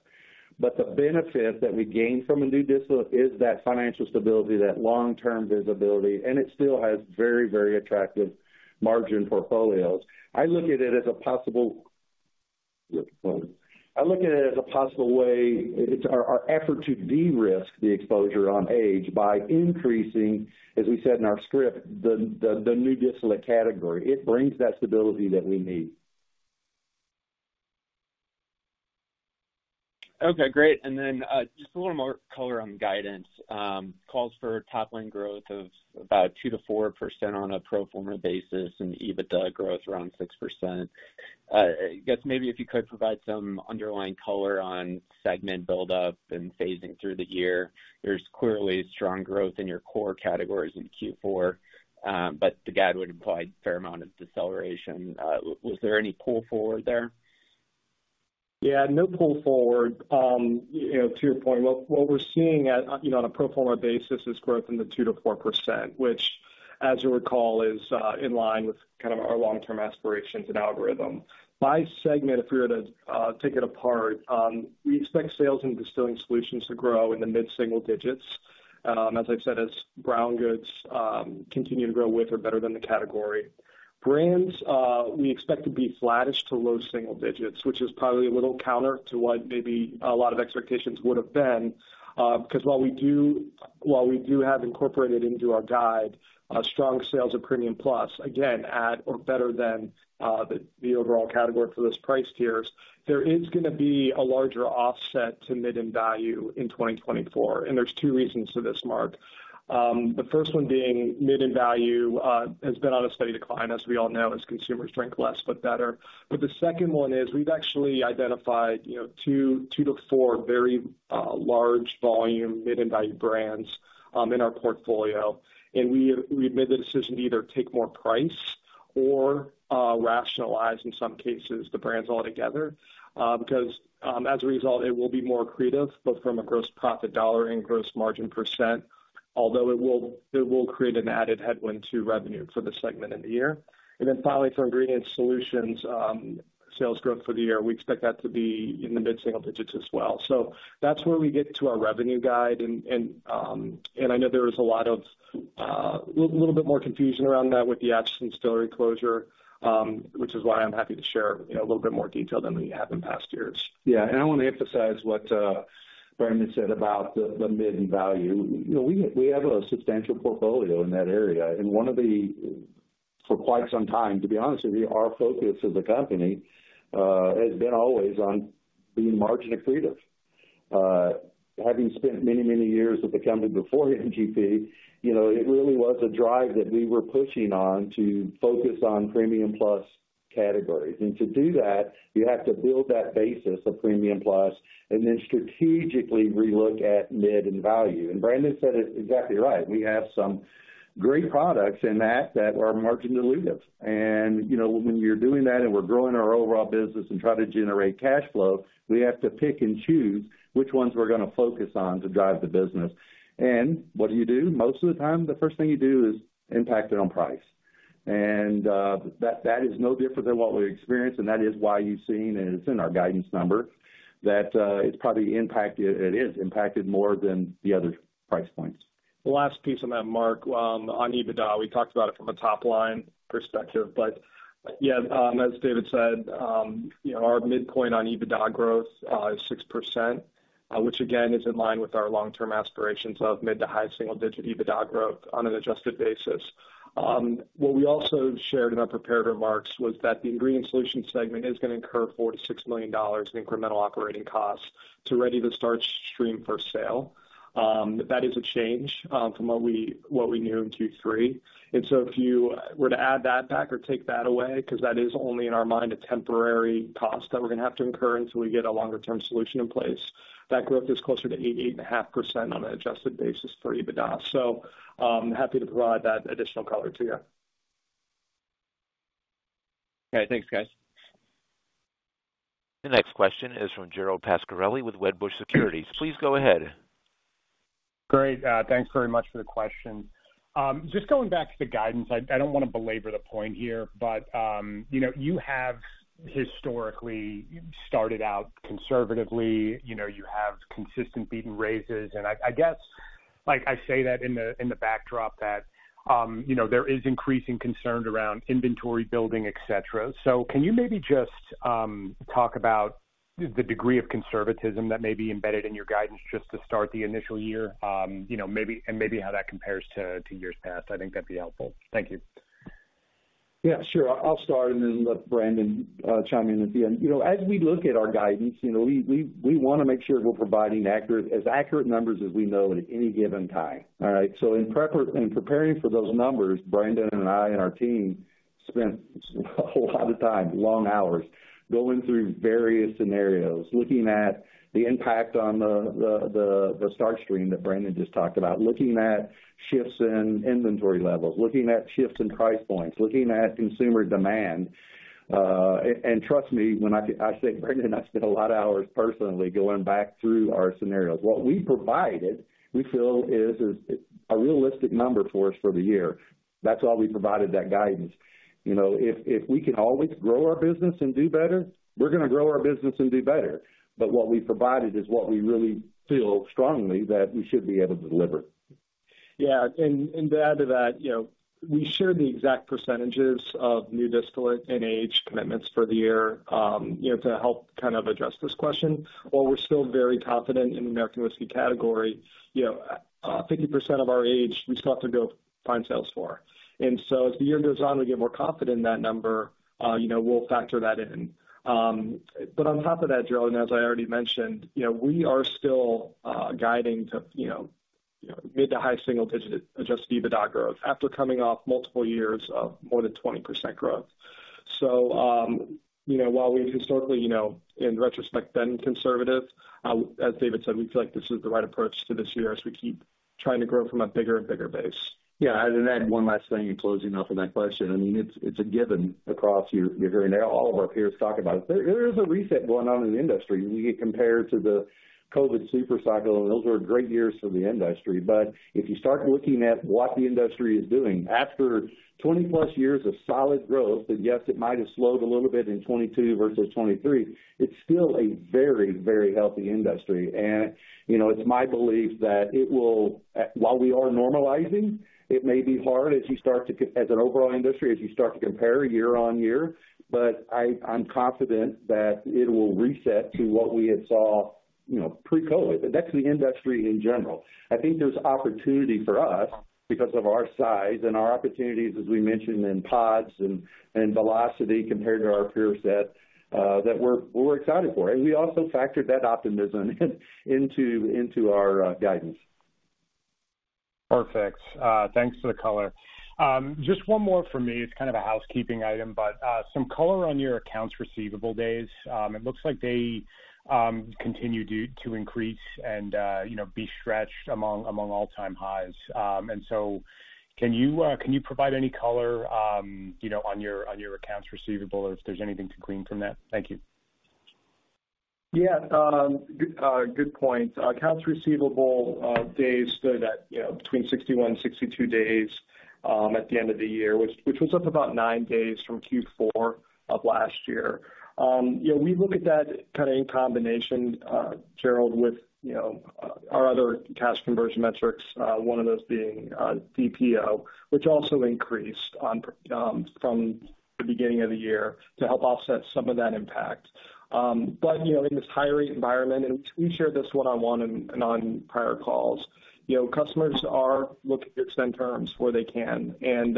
But the benefit that we gain from a new distillate is that financial stability, that long-term visibility, and it still has very, very attractive margin portfolios. I look at it as a possible way our effort to de-risk the exposure on age by increasing, as we said in our script, the new distillate category. It brings that stability that we need. Okay, great. And then just a little more color on guidance. Calls for top-line growth of about 2%-4% on a pro forma basis and EBITDA growth around 6%. I guess maybe if you could provide some underlying color on segment buildup and phasing through the year. There's clearly strong growth in your core categories in Q4, but the guide would imply a fair amount of deceleration. Was there any pull forward there? Yeah, no pull forward. To your point, what we're seeing on a pro forma basis is growth in the 2%-4%, which, as you recall, is in line with kind of our long-term aspirations and algorithm. By segment, if we were to take it apart, we expect sales in Distilling Solutions to grow in the mid-single digits, as I said, as Brown Goods continue to grow with or better than the category. Brands, we expect to be flattish to low single digits, which is probably a little counter to what maybe a lot of expectations would have been because while we do have incorporated into our guide strong sales of Premium Plus, again, at or better than the overall category for those price tiers, there is going to be a larger offset to mid and value in 2024. There's two reasons to this, Mark. The first one being mid and value has been on a steady decline, as we all know, as consumers drink less but better. But the second one is we've actually identified 2-4 very large volume mid and value brands in our portfolio, and we've made the decision to either take more price or rationalize, in some cases, the brands altogether because, as a result, it will be more creative both from a gross profit dollar and gross margin %, although it will create an added headwind to revenue for the segment in the year. And then finally, for Ingredient Solutions, sales growth for the year, we expect that to be in the mid-single digits as well. So that's where we get to our revenue guide, and I know there was a lot of a little bit more confusion around that with the Atchison distillery closure, which is why I'm happy to share a little bit more detail than we have in past years. Yeah, and I want to emphasize what Brandon said about the mid and value. We have a substantial portfolio in that area, and for quite some time, to be honest with you, our focus as a company has been always on being marginally creative. Having spent many, many years with the company before MGP, it really was a drive that we were pushing on to focus on Premium Plus categories. And to do that, you have to build that basis of Premium Plus and then strategically relook at mid and value. And Brandon said it exactly right. We have some great products in that that are marginally elusive. And when you're doing that and we're growing our overall business and trying to generate cash flow, we have to pick and choose which ones we're going to focus on to drive the business. And what do you do? Most of the time, the first thing you do is impact it on price. And that is no different than what we experience, and that is why you've seen, and it's in our guidance number, that it's probably impacted it is impacted more than the other price points. The last piece on that, Mark, on EBITDA, we talked about it from a top-line perspective. But yeah, as David said, our midpoint on EBITDA growth is 6%, which, again, is in line with our long-term aspirations of mid to high single-digit EBITDA growth on an adjusted basis. What we also shared in our prepared remarks was that the Ingredient Solutions segment is going to incur $4 million-$6 million in incremental operating costs to ready the starch stream for sale. That is a change from what we knew in Q3. So if you were to add that back or take that away because that is only, in our mind, a temporary cost that we're going to have to incur until we get a longer-term solution in place, that growth is closer to 8%-8.5% on an adjusted basis for EBITDA. So happy to provide that additional color to you. All right. Thanks, guys. The next question is from Gerald Pascarelli with Wedbush Securities. Please go ahead. Great. Thanks very much for the question. Just going back to the guidance, I don't want to belabor the point here, but you have historically started out conservatively. You have consistent beat and raises. And I guess I say that in the backdrop that there is increasing concern around inventory building, etc. Can you maybe just talk about the degree of conservatism that may be embedded in your guidance just to start the initial year and maybe how that compares to years past? I think that'd be helpful. Thank you. Yeah, sure. I'll start and then let Brandon chime in at the end. As we look at our guidance, we want to make sure we're providing as accurate numbers as we know at any given time, all right? So in preparing for those numbers, Brandon and I and our team spent a lot of time, long hours, going through various scenarios, looking at the impact on the starch stream that Brandon just talked about, looking at shifts in inventory levels, looking at shifts in price points, looking at consumer demand. Trust me, when I say Brandon, I spent a lot of hours personally going back through our scenarios. What we provided, we feel, is a realistic number for us for the year. That's why we provided that guidance. If we can always grow our business and do better, we're going to grow our business and do better. But what we provided is what we really feel strongly that we should be able to deliver. Yeah. And to add to that, we shared the exact percentages of new distillate and age commitments for the year to help kind of address this question. While we're still very confident in the American whiskey category, 50% of our age, we still have to go find sales for. And so as the year goes on, we get more confident in that number. We'll factor that in. But on top of that, Gerald, and as I already mentioned, we are still guiding to mid- to high single-digit Adjusted EBITDA growth after coming off multiple years of more than 20% growth. So while we've historically, in retrospect, been conservative, as David said, we feel like this is the right approach to this year as we keep trying to grow from a bigger and bigger base. Yeah, I'd add one last thing in closing off on that question. I mean, it's a given across your hearing now. All of our peers talk about it. There is a reset going on in the industry. We get compared to the COVID super cycle, and those were great years for the industry. But if you start looking at what the industry is doing after 20+ years of solid growth that, yes, it might have slowed a little bit in 2022 versus 2023, it's still a very, very healthy industry. And it's my belief that while we are normalizing, it may be hard as you start to as an overall industry, as you start to compare year-on-year. But I'm confident that it will reset to what we had saw pre-COVID. That's the industry in general. I think there's opportunity for us because of our size and our opportunities, as we mentioned, in pods and velocity compared to our peer set, that we're excited for. And we also factored that optimism into our guidance. Perfect. Thanks for the color. Just one more for me. It's kind of a housekeeping item, but some color on your accounts receivable days. It looks like they continue to increase and be stretched among all-time highs. So can you provide any color on your accounts receivable or if there's anything to glean from that? Thank you. Yeah, good point. Accounts receivable days stood at between 61 and 62 days at the end of the year, which was up about nine days from Q4 of last year. We look at that kind of in combination, Gerald, with our other cash conversion metrics, one of those being DPO, which also increased from the beginning of the year to help offset some of that impact. But in this high-rate environment, and we shared this one-on-one and on prior calls, customers are looking to extend terms where they can, and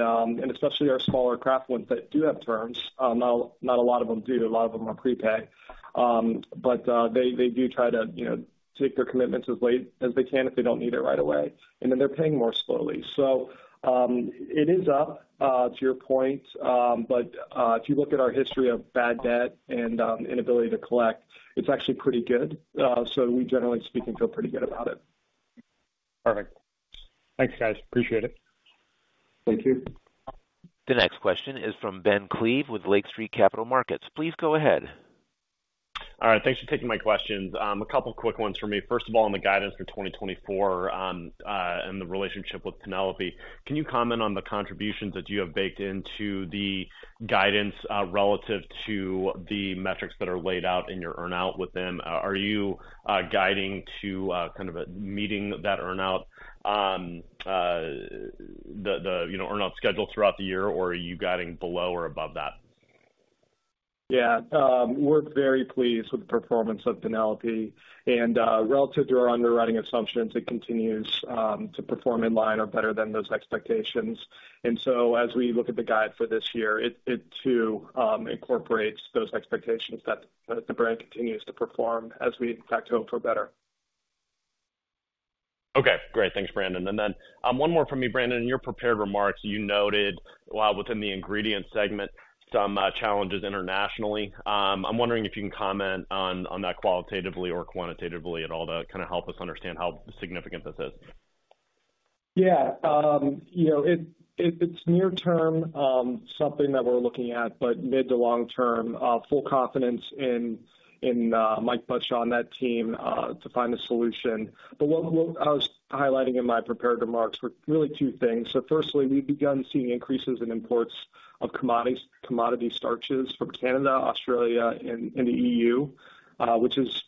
especially our smaller craft ones that do have terms. Not a lot of them do. A lot of them are prepay. But they do try to take their commitments as late as they can if they don't need it right away, and then they're paying more slowly. So it is up, to your point. But if you look at our history of bad debt and inability to collect, it's actually pretty good. So we, generally speaking, feel pretty good about it. Perfect. Thanks, guys. Appreciate it. Thank you. The next question is from Ben Klieve with Lake Street Capital Markets. Please go ahead. All right. Thanks for taking my questions. A couple of quick ones for me. First of all, on the guidance for 2024 and the relationship with Penelope, can you comment on the contributions that you have baked into the guidance relative to the metrics that are laid out in your earnout with them? Are you guiding to kind of meeting that earnout, the earnout schedule throughout the year, or are you guiding below or above that? Yeah, we're very pleased with the performance of Penelope. And relative to our underwriting assumptions, it continues to perform in line or better than those expectations. And so as we look at the guide for this year, it too incorporates those expectations that the brand continues to perform as we tack tone for better. Okay, great. Thanks, Brandon. And then one more from me, Brandon. In your prepared remarks, you noted within the ingredient segment some challenges internationally. I'm wondering if you can comment on that qualitatively or quantitatively at all to kind of help us understand how significant this is. Yeah, it's near-term something that we're looking at, but mid to long-term, full confidence in Mike Buttshaw on that team to find a solution. But what I was highlighting in my prepared remarks were really two things. So firstly, we've begun seeing increases in imports of commodity starches from Canada, Australia, and the EU, which is,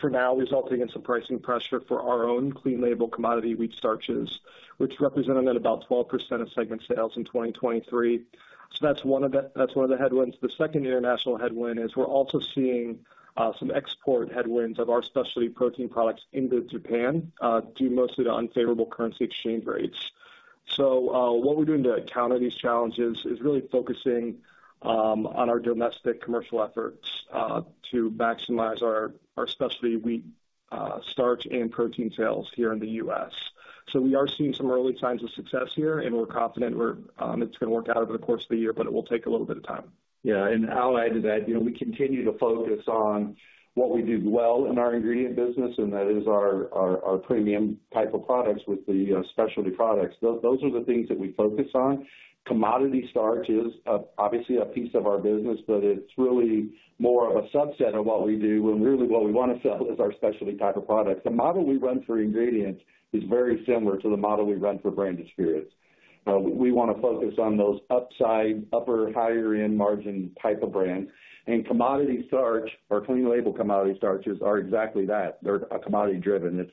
for now, resulting in some pricing pressure for our own clean-label commodity wheat starches, which represented about 12% of segment sales in 2023. So that's one of the headwinds. The second international headwind is we're also seeing some export headwinds of our specialty protein products into Japan due mostly to unfavorable currency exchange rates. So what we're doing to counter these challenges is really focusing on our domestic commercial efforts to maximize our specialty wheat starch and protein sales here in the US. So we are seeing some early signs of success here, and we're confident it's going to work out over the course of the year, but it will take a little bit of time. Yeah. I'll add to that, we continue to focus on what we do well in our ingredient business, and that is our premium type of products with the specialty products. Those are the things that we focus on. Commodity starch is obviously a piece of our business, but it's really more of a subset of what we do, when really what we want to sell is our specialty type of products. The model we run for ingredients is very similar to the model we run for brand experience. We want to focus on those upside, upper, higher-end margin type of brands. And commodity starch or clean-label commodity starches are exactly that. They're commodity-driven. It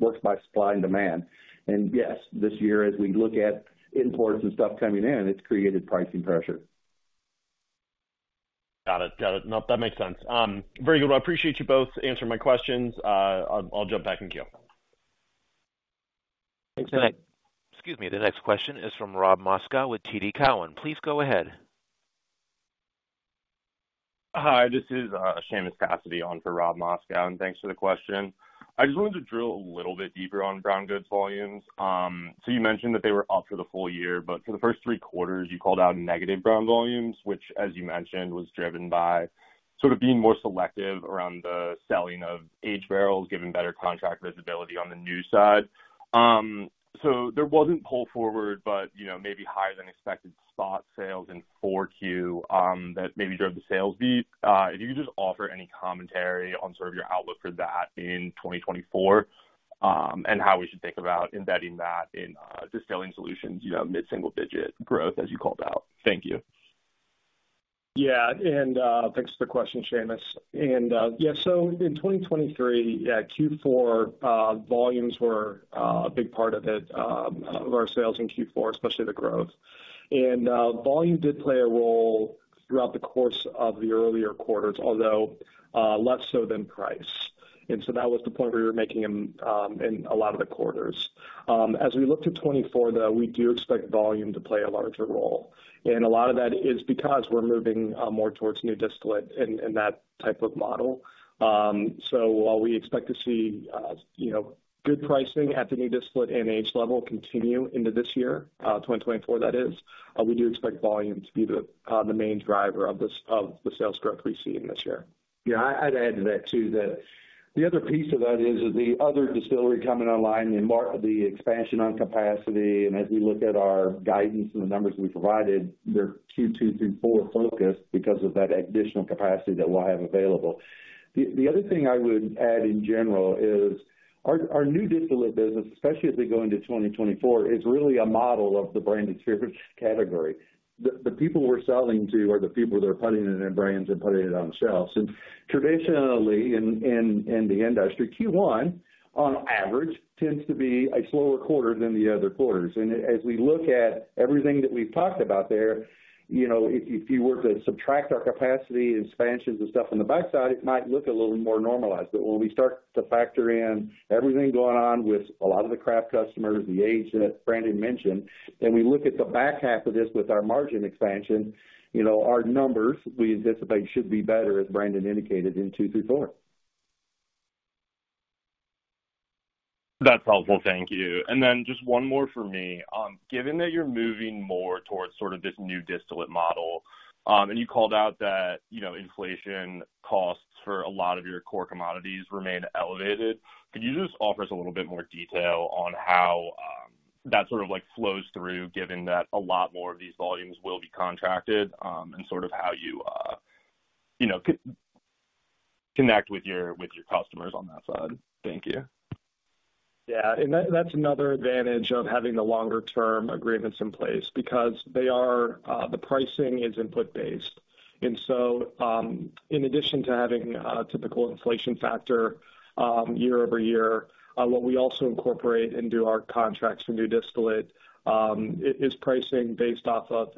works by supply and demand. And yes, this year, as we look at imports and stuff coming in, it's created pricing pressure. Got it. Got it. Nope, that makes sense. Very good. Well, I appreciate you both answering my questions. I'll jump back and go. Excellent. Excuse me. The next question is from Rob Moskow with TD Cowen.Please go ahead. Hi, this is Seamus Cassidy on for Rob Moskow, and thanks for the question. I just wanted to drill a little bit deeper on brown goods volumes. So you mentioned that they were up for the full year, but for the first three quarters, you called out negative brown volumes, which, as you mentioned, was driven by sort of being more selective around the selling of age barrels given better contract visibility on the new side. So there wasn't pull forward, but maybe higher-than-expected spot sales in 4Q that maybe drove the sales beat. If you could just offer any commentary on sort of your outlook for that in 2024 and how we should think about embedding that in Distilling Solutions, mid-single-digit growth, as you called out. Thank you. Yeah. And thanks for the question, Seamus. And yeah, so in 2023, Q4 volumes were a big part of it, of our sales in Q4, especially the growth. And volume did play a role throughout the course of the earlier quarters, although less so than price. And so that was the point where we were making them in a lot of the quarters. As we look to 2024, though, we do expect volume to play a larger role. And a lot of that is because we're moving more towards New Distillate in that type of model. So while we expect to see good pricing at the new distillate and age level continue into this year, 2024, that is, we do expect volume to be the main driver of the sales growth we see in this year. Yeah, I'd add to that too, that the other piece of that is the other distillery coming online, the expansion on capacity. And as we look at our guidance and the numbers we provided, they're Q2 through Q4 focused because of that additional capacity that we'll have available. The other thing I would add in general is our new distillate business, especially as they go into 2024, is really a model of the brand experience category. The people we're selling to are the people that are putting it in their brands and putting it on shelves. And traditionally, in the industry, Q1, on average, tends to be a slower quarter than the other quarters. And as we look at everything that we've talked about there, if you were to subtract our capacity expansions and stuff on the backside, it might look a little more normalized. But when we start to factor in everything going on with a lot of the craft customers, the age that Brandon mentioned, and we look at the back half of this with our margin expansion, our numbers, we anticipate, should be better, as Brandon indicated, in Q2 through four. That's helpful. Thank you. And then just one more for me. Given that you're moving more towards sort of this new distillate model, and you called out that inflation costs for a lot of your core commodities remain elevated, could you just offer us a little bit more detail on how that sort of flows through, given that a lot more of these volumes will be contracted, and sort of how you connect with your customers on that side? Thank you. Yeah. And that's another advantage of having the longer-term agreements in place because the pricing is input-based. And so in addition to having a typical inflation factor year-over-year, what we also incorporate into our contracts for new distillate is pricing based off of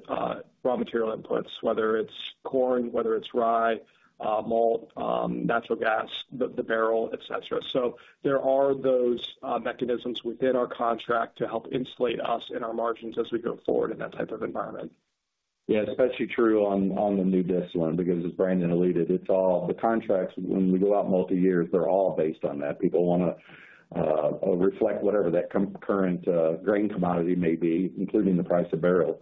raw material inputs, whether it's corn, whether it's rye, malt, natural gas, the barrel, etc. So there are those mechanisms within our contract to help insulate us in our margins as we go forward in that type of environment. Yeah, it's especially true on the new distillate because, as Brandon alluded, the contracts, when we go out multi-year, they're all based on that. People want to reflect whatever that current grain commodity may be, including the price of barrel.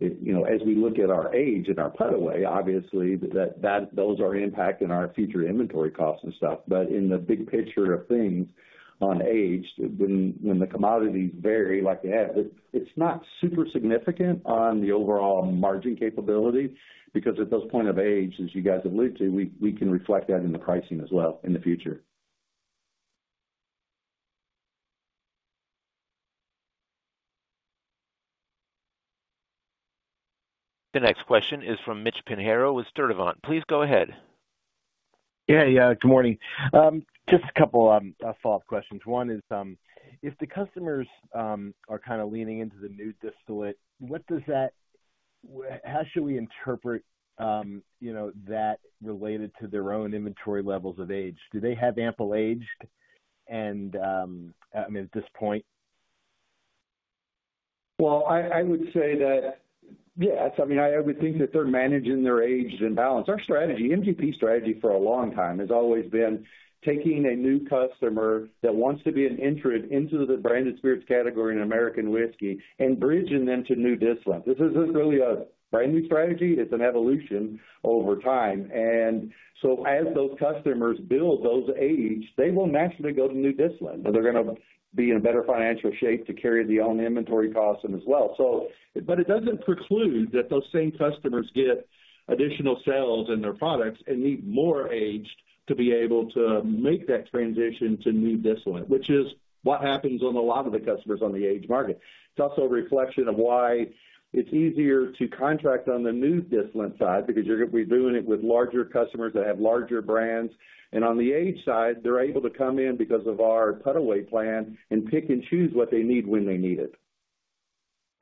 As we look at our aged and our put-away, obviously, those are impacting our future inventory costs and stuff. But in the big picture of things on aged, when the commodities vary like they have, it's not super significant on the overall margin capability because at those points of age, as you guys alluded to, we can reflect that in the pricing as well in the future. The next question is from Mitch Pinheiro with Sturdivant. Please go ahead. Yeah, yeah. Good morning. Just a couple of follow-up questions. One is, if the customers are kind of leaning into the new distillate, how should we interpret that related to their own inventory levels of age? Do they have ample aged and, I mean, at this point? Well, I would say that, yes, I mean, I would think that they're managing their aged and balanced. Our strategy, MGP strategy, for a long time has always been taking a new customer that wants to be an entrant into the branded spirits category in American whisky and bridging them to new distillate. This isn't really a brand new strategy. It's an evolution over time. And so as those customers build those age, they will naturally go to new distillate. They're going to be in a better financial shape to carry the own inventory costs as well. But it doesn't preclude that those same customers get additional sales in their products and need more aged to be able to make that transition to new distillate, which is what happens on a lot of the customers on the aged market. It's also a reflection of why it's easier to contract on the new distillate side because we're doing it with larger customers that have larger brands. And on the aged side, they're able to come in because of our put-away plan and pick and choose what they need when they need it.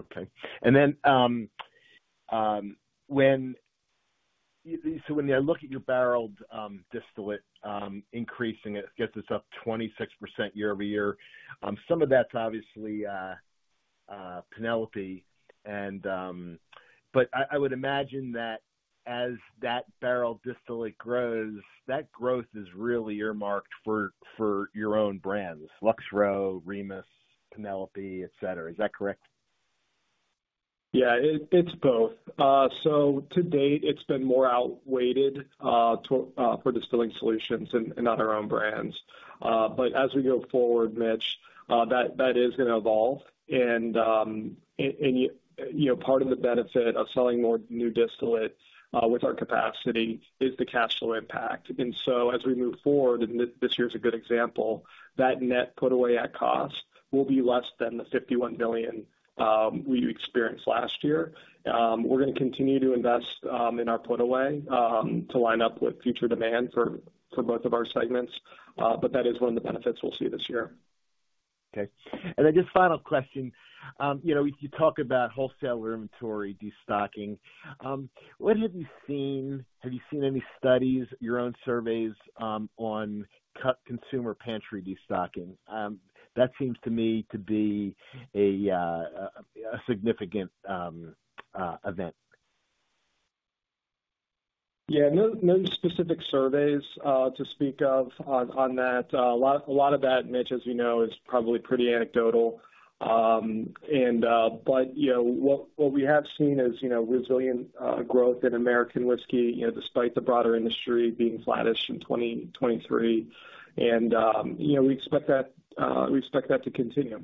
Okay. And then so when I look at your barreled distillate increasing, it gets us up 26% year-over-year. Some of that's, obviously, Penelope. But I would imagine that as that barreled distillate grows, that growth is really earmarked for your own brands, Lux Row, Remus, Penelope, etc. Is that correct? Yeah, it's both. So to date, it's been more outweighed for Distilling Solutions and not our own brands. But as we go forward, Mitch, that is going to evolve. And part of the benefit of selling more New Distillate with our capacity is the cash flow impact. And so as we move forward, and this year is a good example, that net putaway at cost will be less than the $51 billion we experienced last year. We're going to continue to invest in our putaway to line up with future demand for both of our segments. But that is one of the benefits we'll see this year. Okay. And then just final question. You talk about wholesaler inventory destocking. What have you seen? Have you seen any studies, your own surveys, on consumer pantry destocking? That seems to me to be a significant event. Yeah, no specific surveys to speak of on that. A lot of that, Mitch, as we know, is probably pretty anecdotal. But what we have seen is resilient growth in American whisky despite the broader industry being flattish in 2023. And we expect that to continue.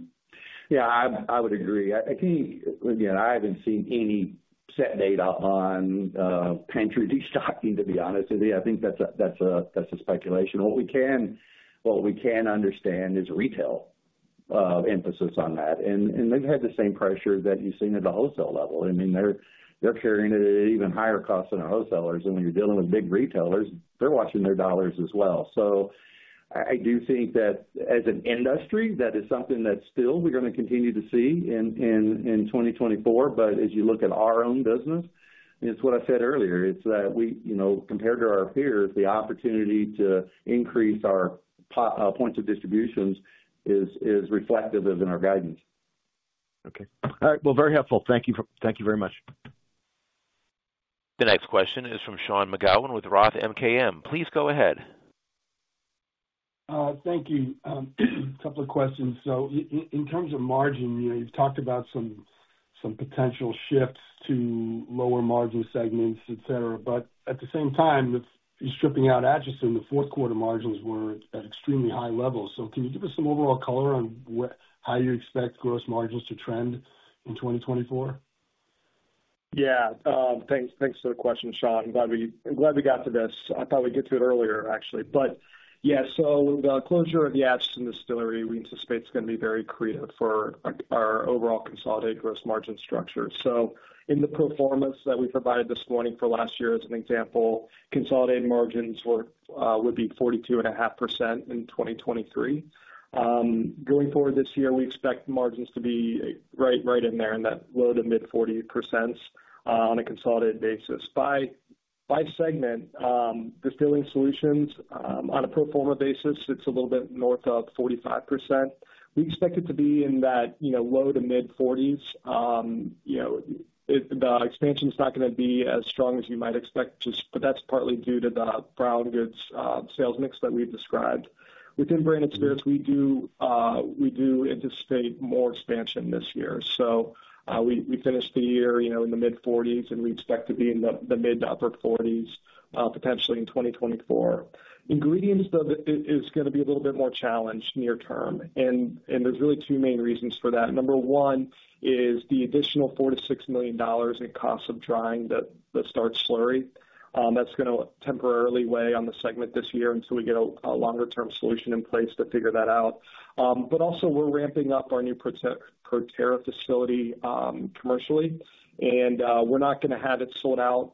Yeah, I would agree. I think, again, I haven't seen any set data on pantry destocking, to be honest with you. I think that's a speculation. What we can understand is retail emphasis on that. And they've had the same pressure that you've seen at the wholesale level. I mean, they're carrying it at even higher costs than our wholesalers. And when you're dealing with big retailers, they're watching their dollars as well. So I do think that as an industry, that is something that still we're going to continue to see in 2024. But as you look at our own business, it's what I said earlier. It's that compared to our peers, the opportunity to increase our points of distribution is reflective of in our guidance. Okay. All right. Well, very helpful. Thank you very much. The next question is from Sean McGowan with Roth MKM. Please go ahead. Thank you. A couple of questions. So in terms of margin, you've talked about some potential shifts to lower margin segments, etc. But at the same time, if you're stripping out Atchison, the fourth-quarter margins were at extremely high levels. So can you give us some overall color on how you expect gross margins to trend in 2024? Yeah. Thanks for the question, Sean. I'm glad we got to this. I thought we'd get to it earlier, actually. But yeah, so the closure of the Atchison distillery, we anticipate it's going to be very accretive for our overall consolidated gross margin structure. So in the performance that we provided this morning for last year as an example, consolidated margins would be 42.5% in 2023. Going forward this year, we expect margins to be right in there in that low to mid-40% on a consolidated basis. By segment, Distilling Solutions, on a pro forma basis, it's a little bit north of 45%. We expect it to be in that low to mid 40s%. The expansion is not going to be as strong as you might expect, but that's partly due to the Brown Goods sales mix that we've described. Within Branded Spirits, we do anticipate more expansion this year. So we finished the year in the mid-40s%, and we expect to be in the mid- to upper 40s%, potentially in 2024. Ingredients, though, is going to be a little bit more challenged near term. And there's really two main reasons for that. Number one is the additional $4 million-$6 million in costs of drying that start slurry. That's going to temporarily weigh on the segment this year until we get a longer-term solution in place to figure that out. But also, we're ramping up our new Proterra facility commercially, and we're not going to have it sold out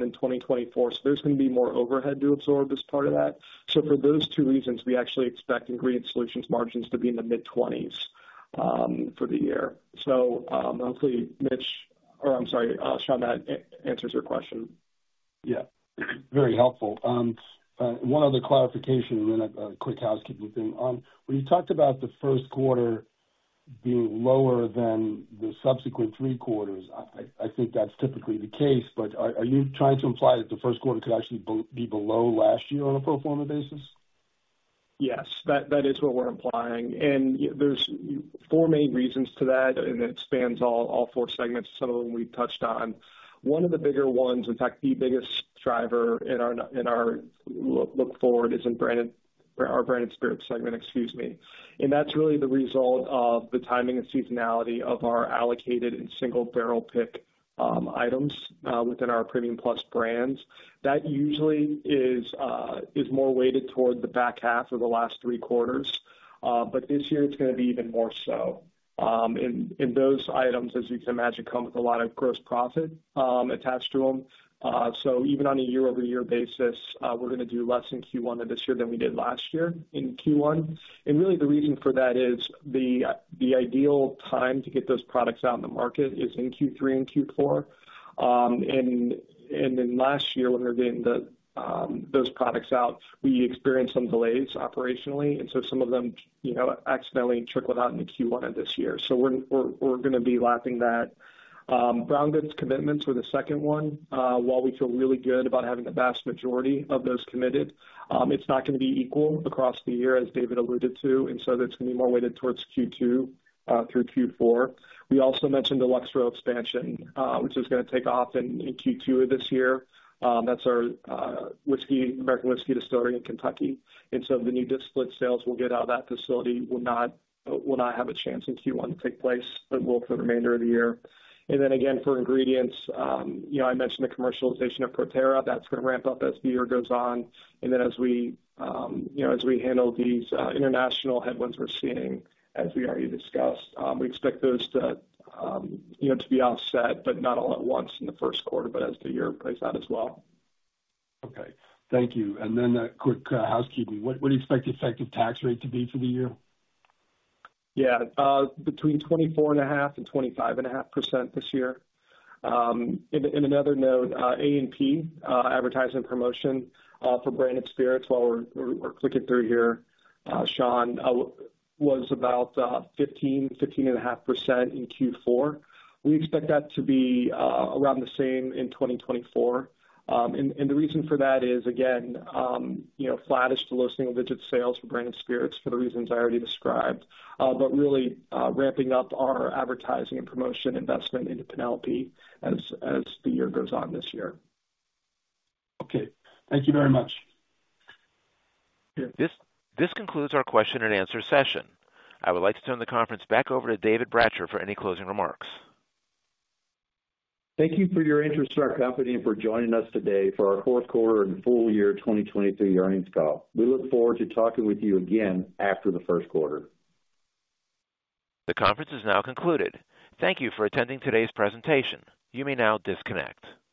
in 2024. So there's going to be more overhead to absorb as part of that. So for those two reasons, we actually expect Ingredient Solutions margins to be in the mid 20s for the year. So hopefully, Mitch or I'm sorry, Sean, that answers your question. Yeah, very helpful. One other clarification, and then a quick housekeeping thing. When you talked about the first quarter being lower than the subsequent three quarters, I think that's typically the case. But are you trying to imply that the first quarter could actually be below last year on a pro forma basis? Yes, that is what we're implying. And there's four main reasons to that, and it spans all four segments, some of them we've touched on. One of the bigger ones, in fact, the biggest driver in our look forward is in our Branded Spirits segment, excuse me. And that's really the result of the timing and seasonality of our allocated and single-barrel pick items within our Premium Plus brands. That usually is more weighted toward the back half of the last three quarters. But this year, it's going to be even more so. And those items, as you can imagine, come with a lot of gross profit attached to them. So even on a year-over-year basis, we're going to do less in Q1 than this year than we did last year in Q1. And really, the reason for that is the ideal time to get those products out in the market is in Q3 and Q4. And then last year, when we were getting those products out, we experienced some delays operationally. And so some of them accidentally trickled out in the Q1 of this year. So we're going to be lapping that. Brown Goods commitments are the second one. While we feel really good about having the vast majority of those committed, it's not going to be equal across the year, as David alluded to. And so that's going to be more weighted towards Q2 through Q4. We also mentioned the Lux Row expansion, which is going to take off in Q2 of this year. That's our American whisky distillery in Kentucky. So the new distillate sales we'll get out of that facility will not have a chance in Q1 to take place, but will for the remainder of the year. Then again, for ingredients, I mentioned the commercialization of Proterra. That's going to ramp up as the year goes on. Then as we handle these international headwinds we're seeing, as we already discussed, we expect those to be offset, but not all at once in the first quarter, but as the year plays out as well. Okay. Thank you. Then a quick housekeeping. What do you expect the effective tax rate to be for the year? Yeah, between 24.5% and 25.5% this year. In another note, A&P, advertising promotion for branded spirits, while we're clicking through here, Sean, was about 15-15.5% in Q4. We expect that to be around the same in 2024. The reason for that is, again, flattish to low single-digit sales for branded spirits for the reasons I already described, but really ramping up our advertising and promotion investment into Penelope as the year goes on this year. Okay. Thank you very much. This concludes our question-and-answer session. I would like to turn the conference back over to David Bratcher for any closing remarks. Thank you for your interest in our company and for joining us today for our fourth quarter and full-year 2023 earnings call. We look forward to talking with you again after the first quarter. The conference is now concluded. Thank you for attending today's presentation. You may now disconnect.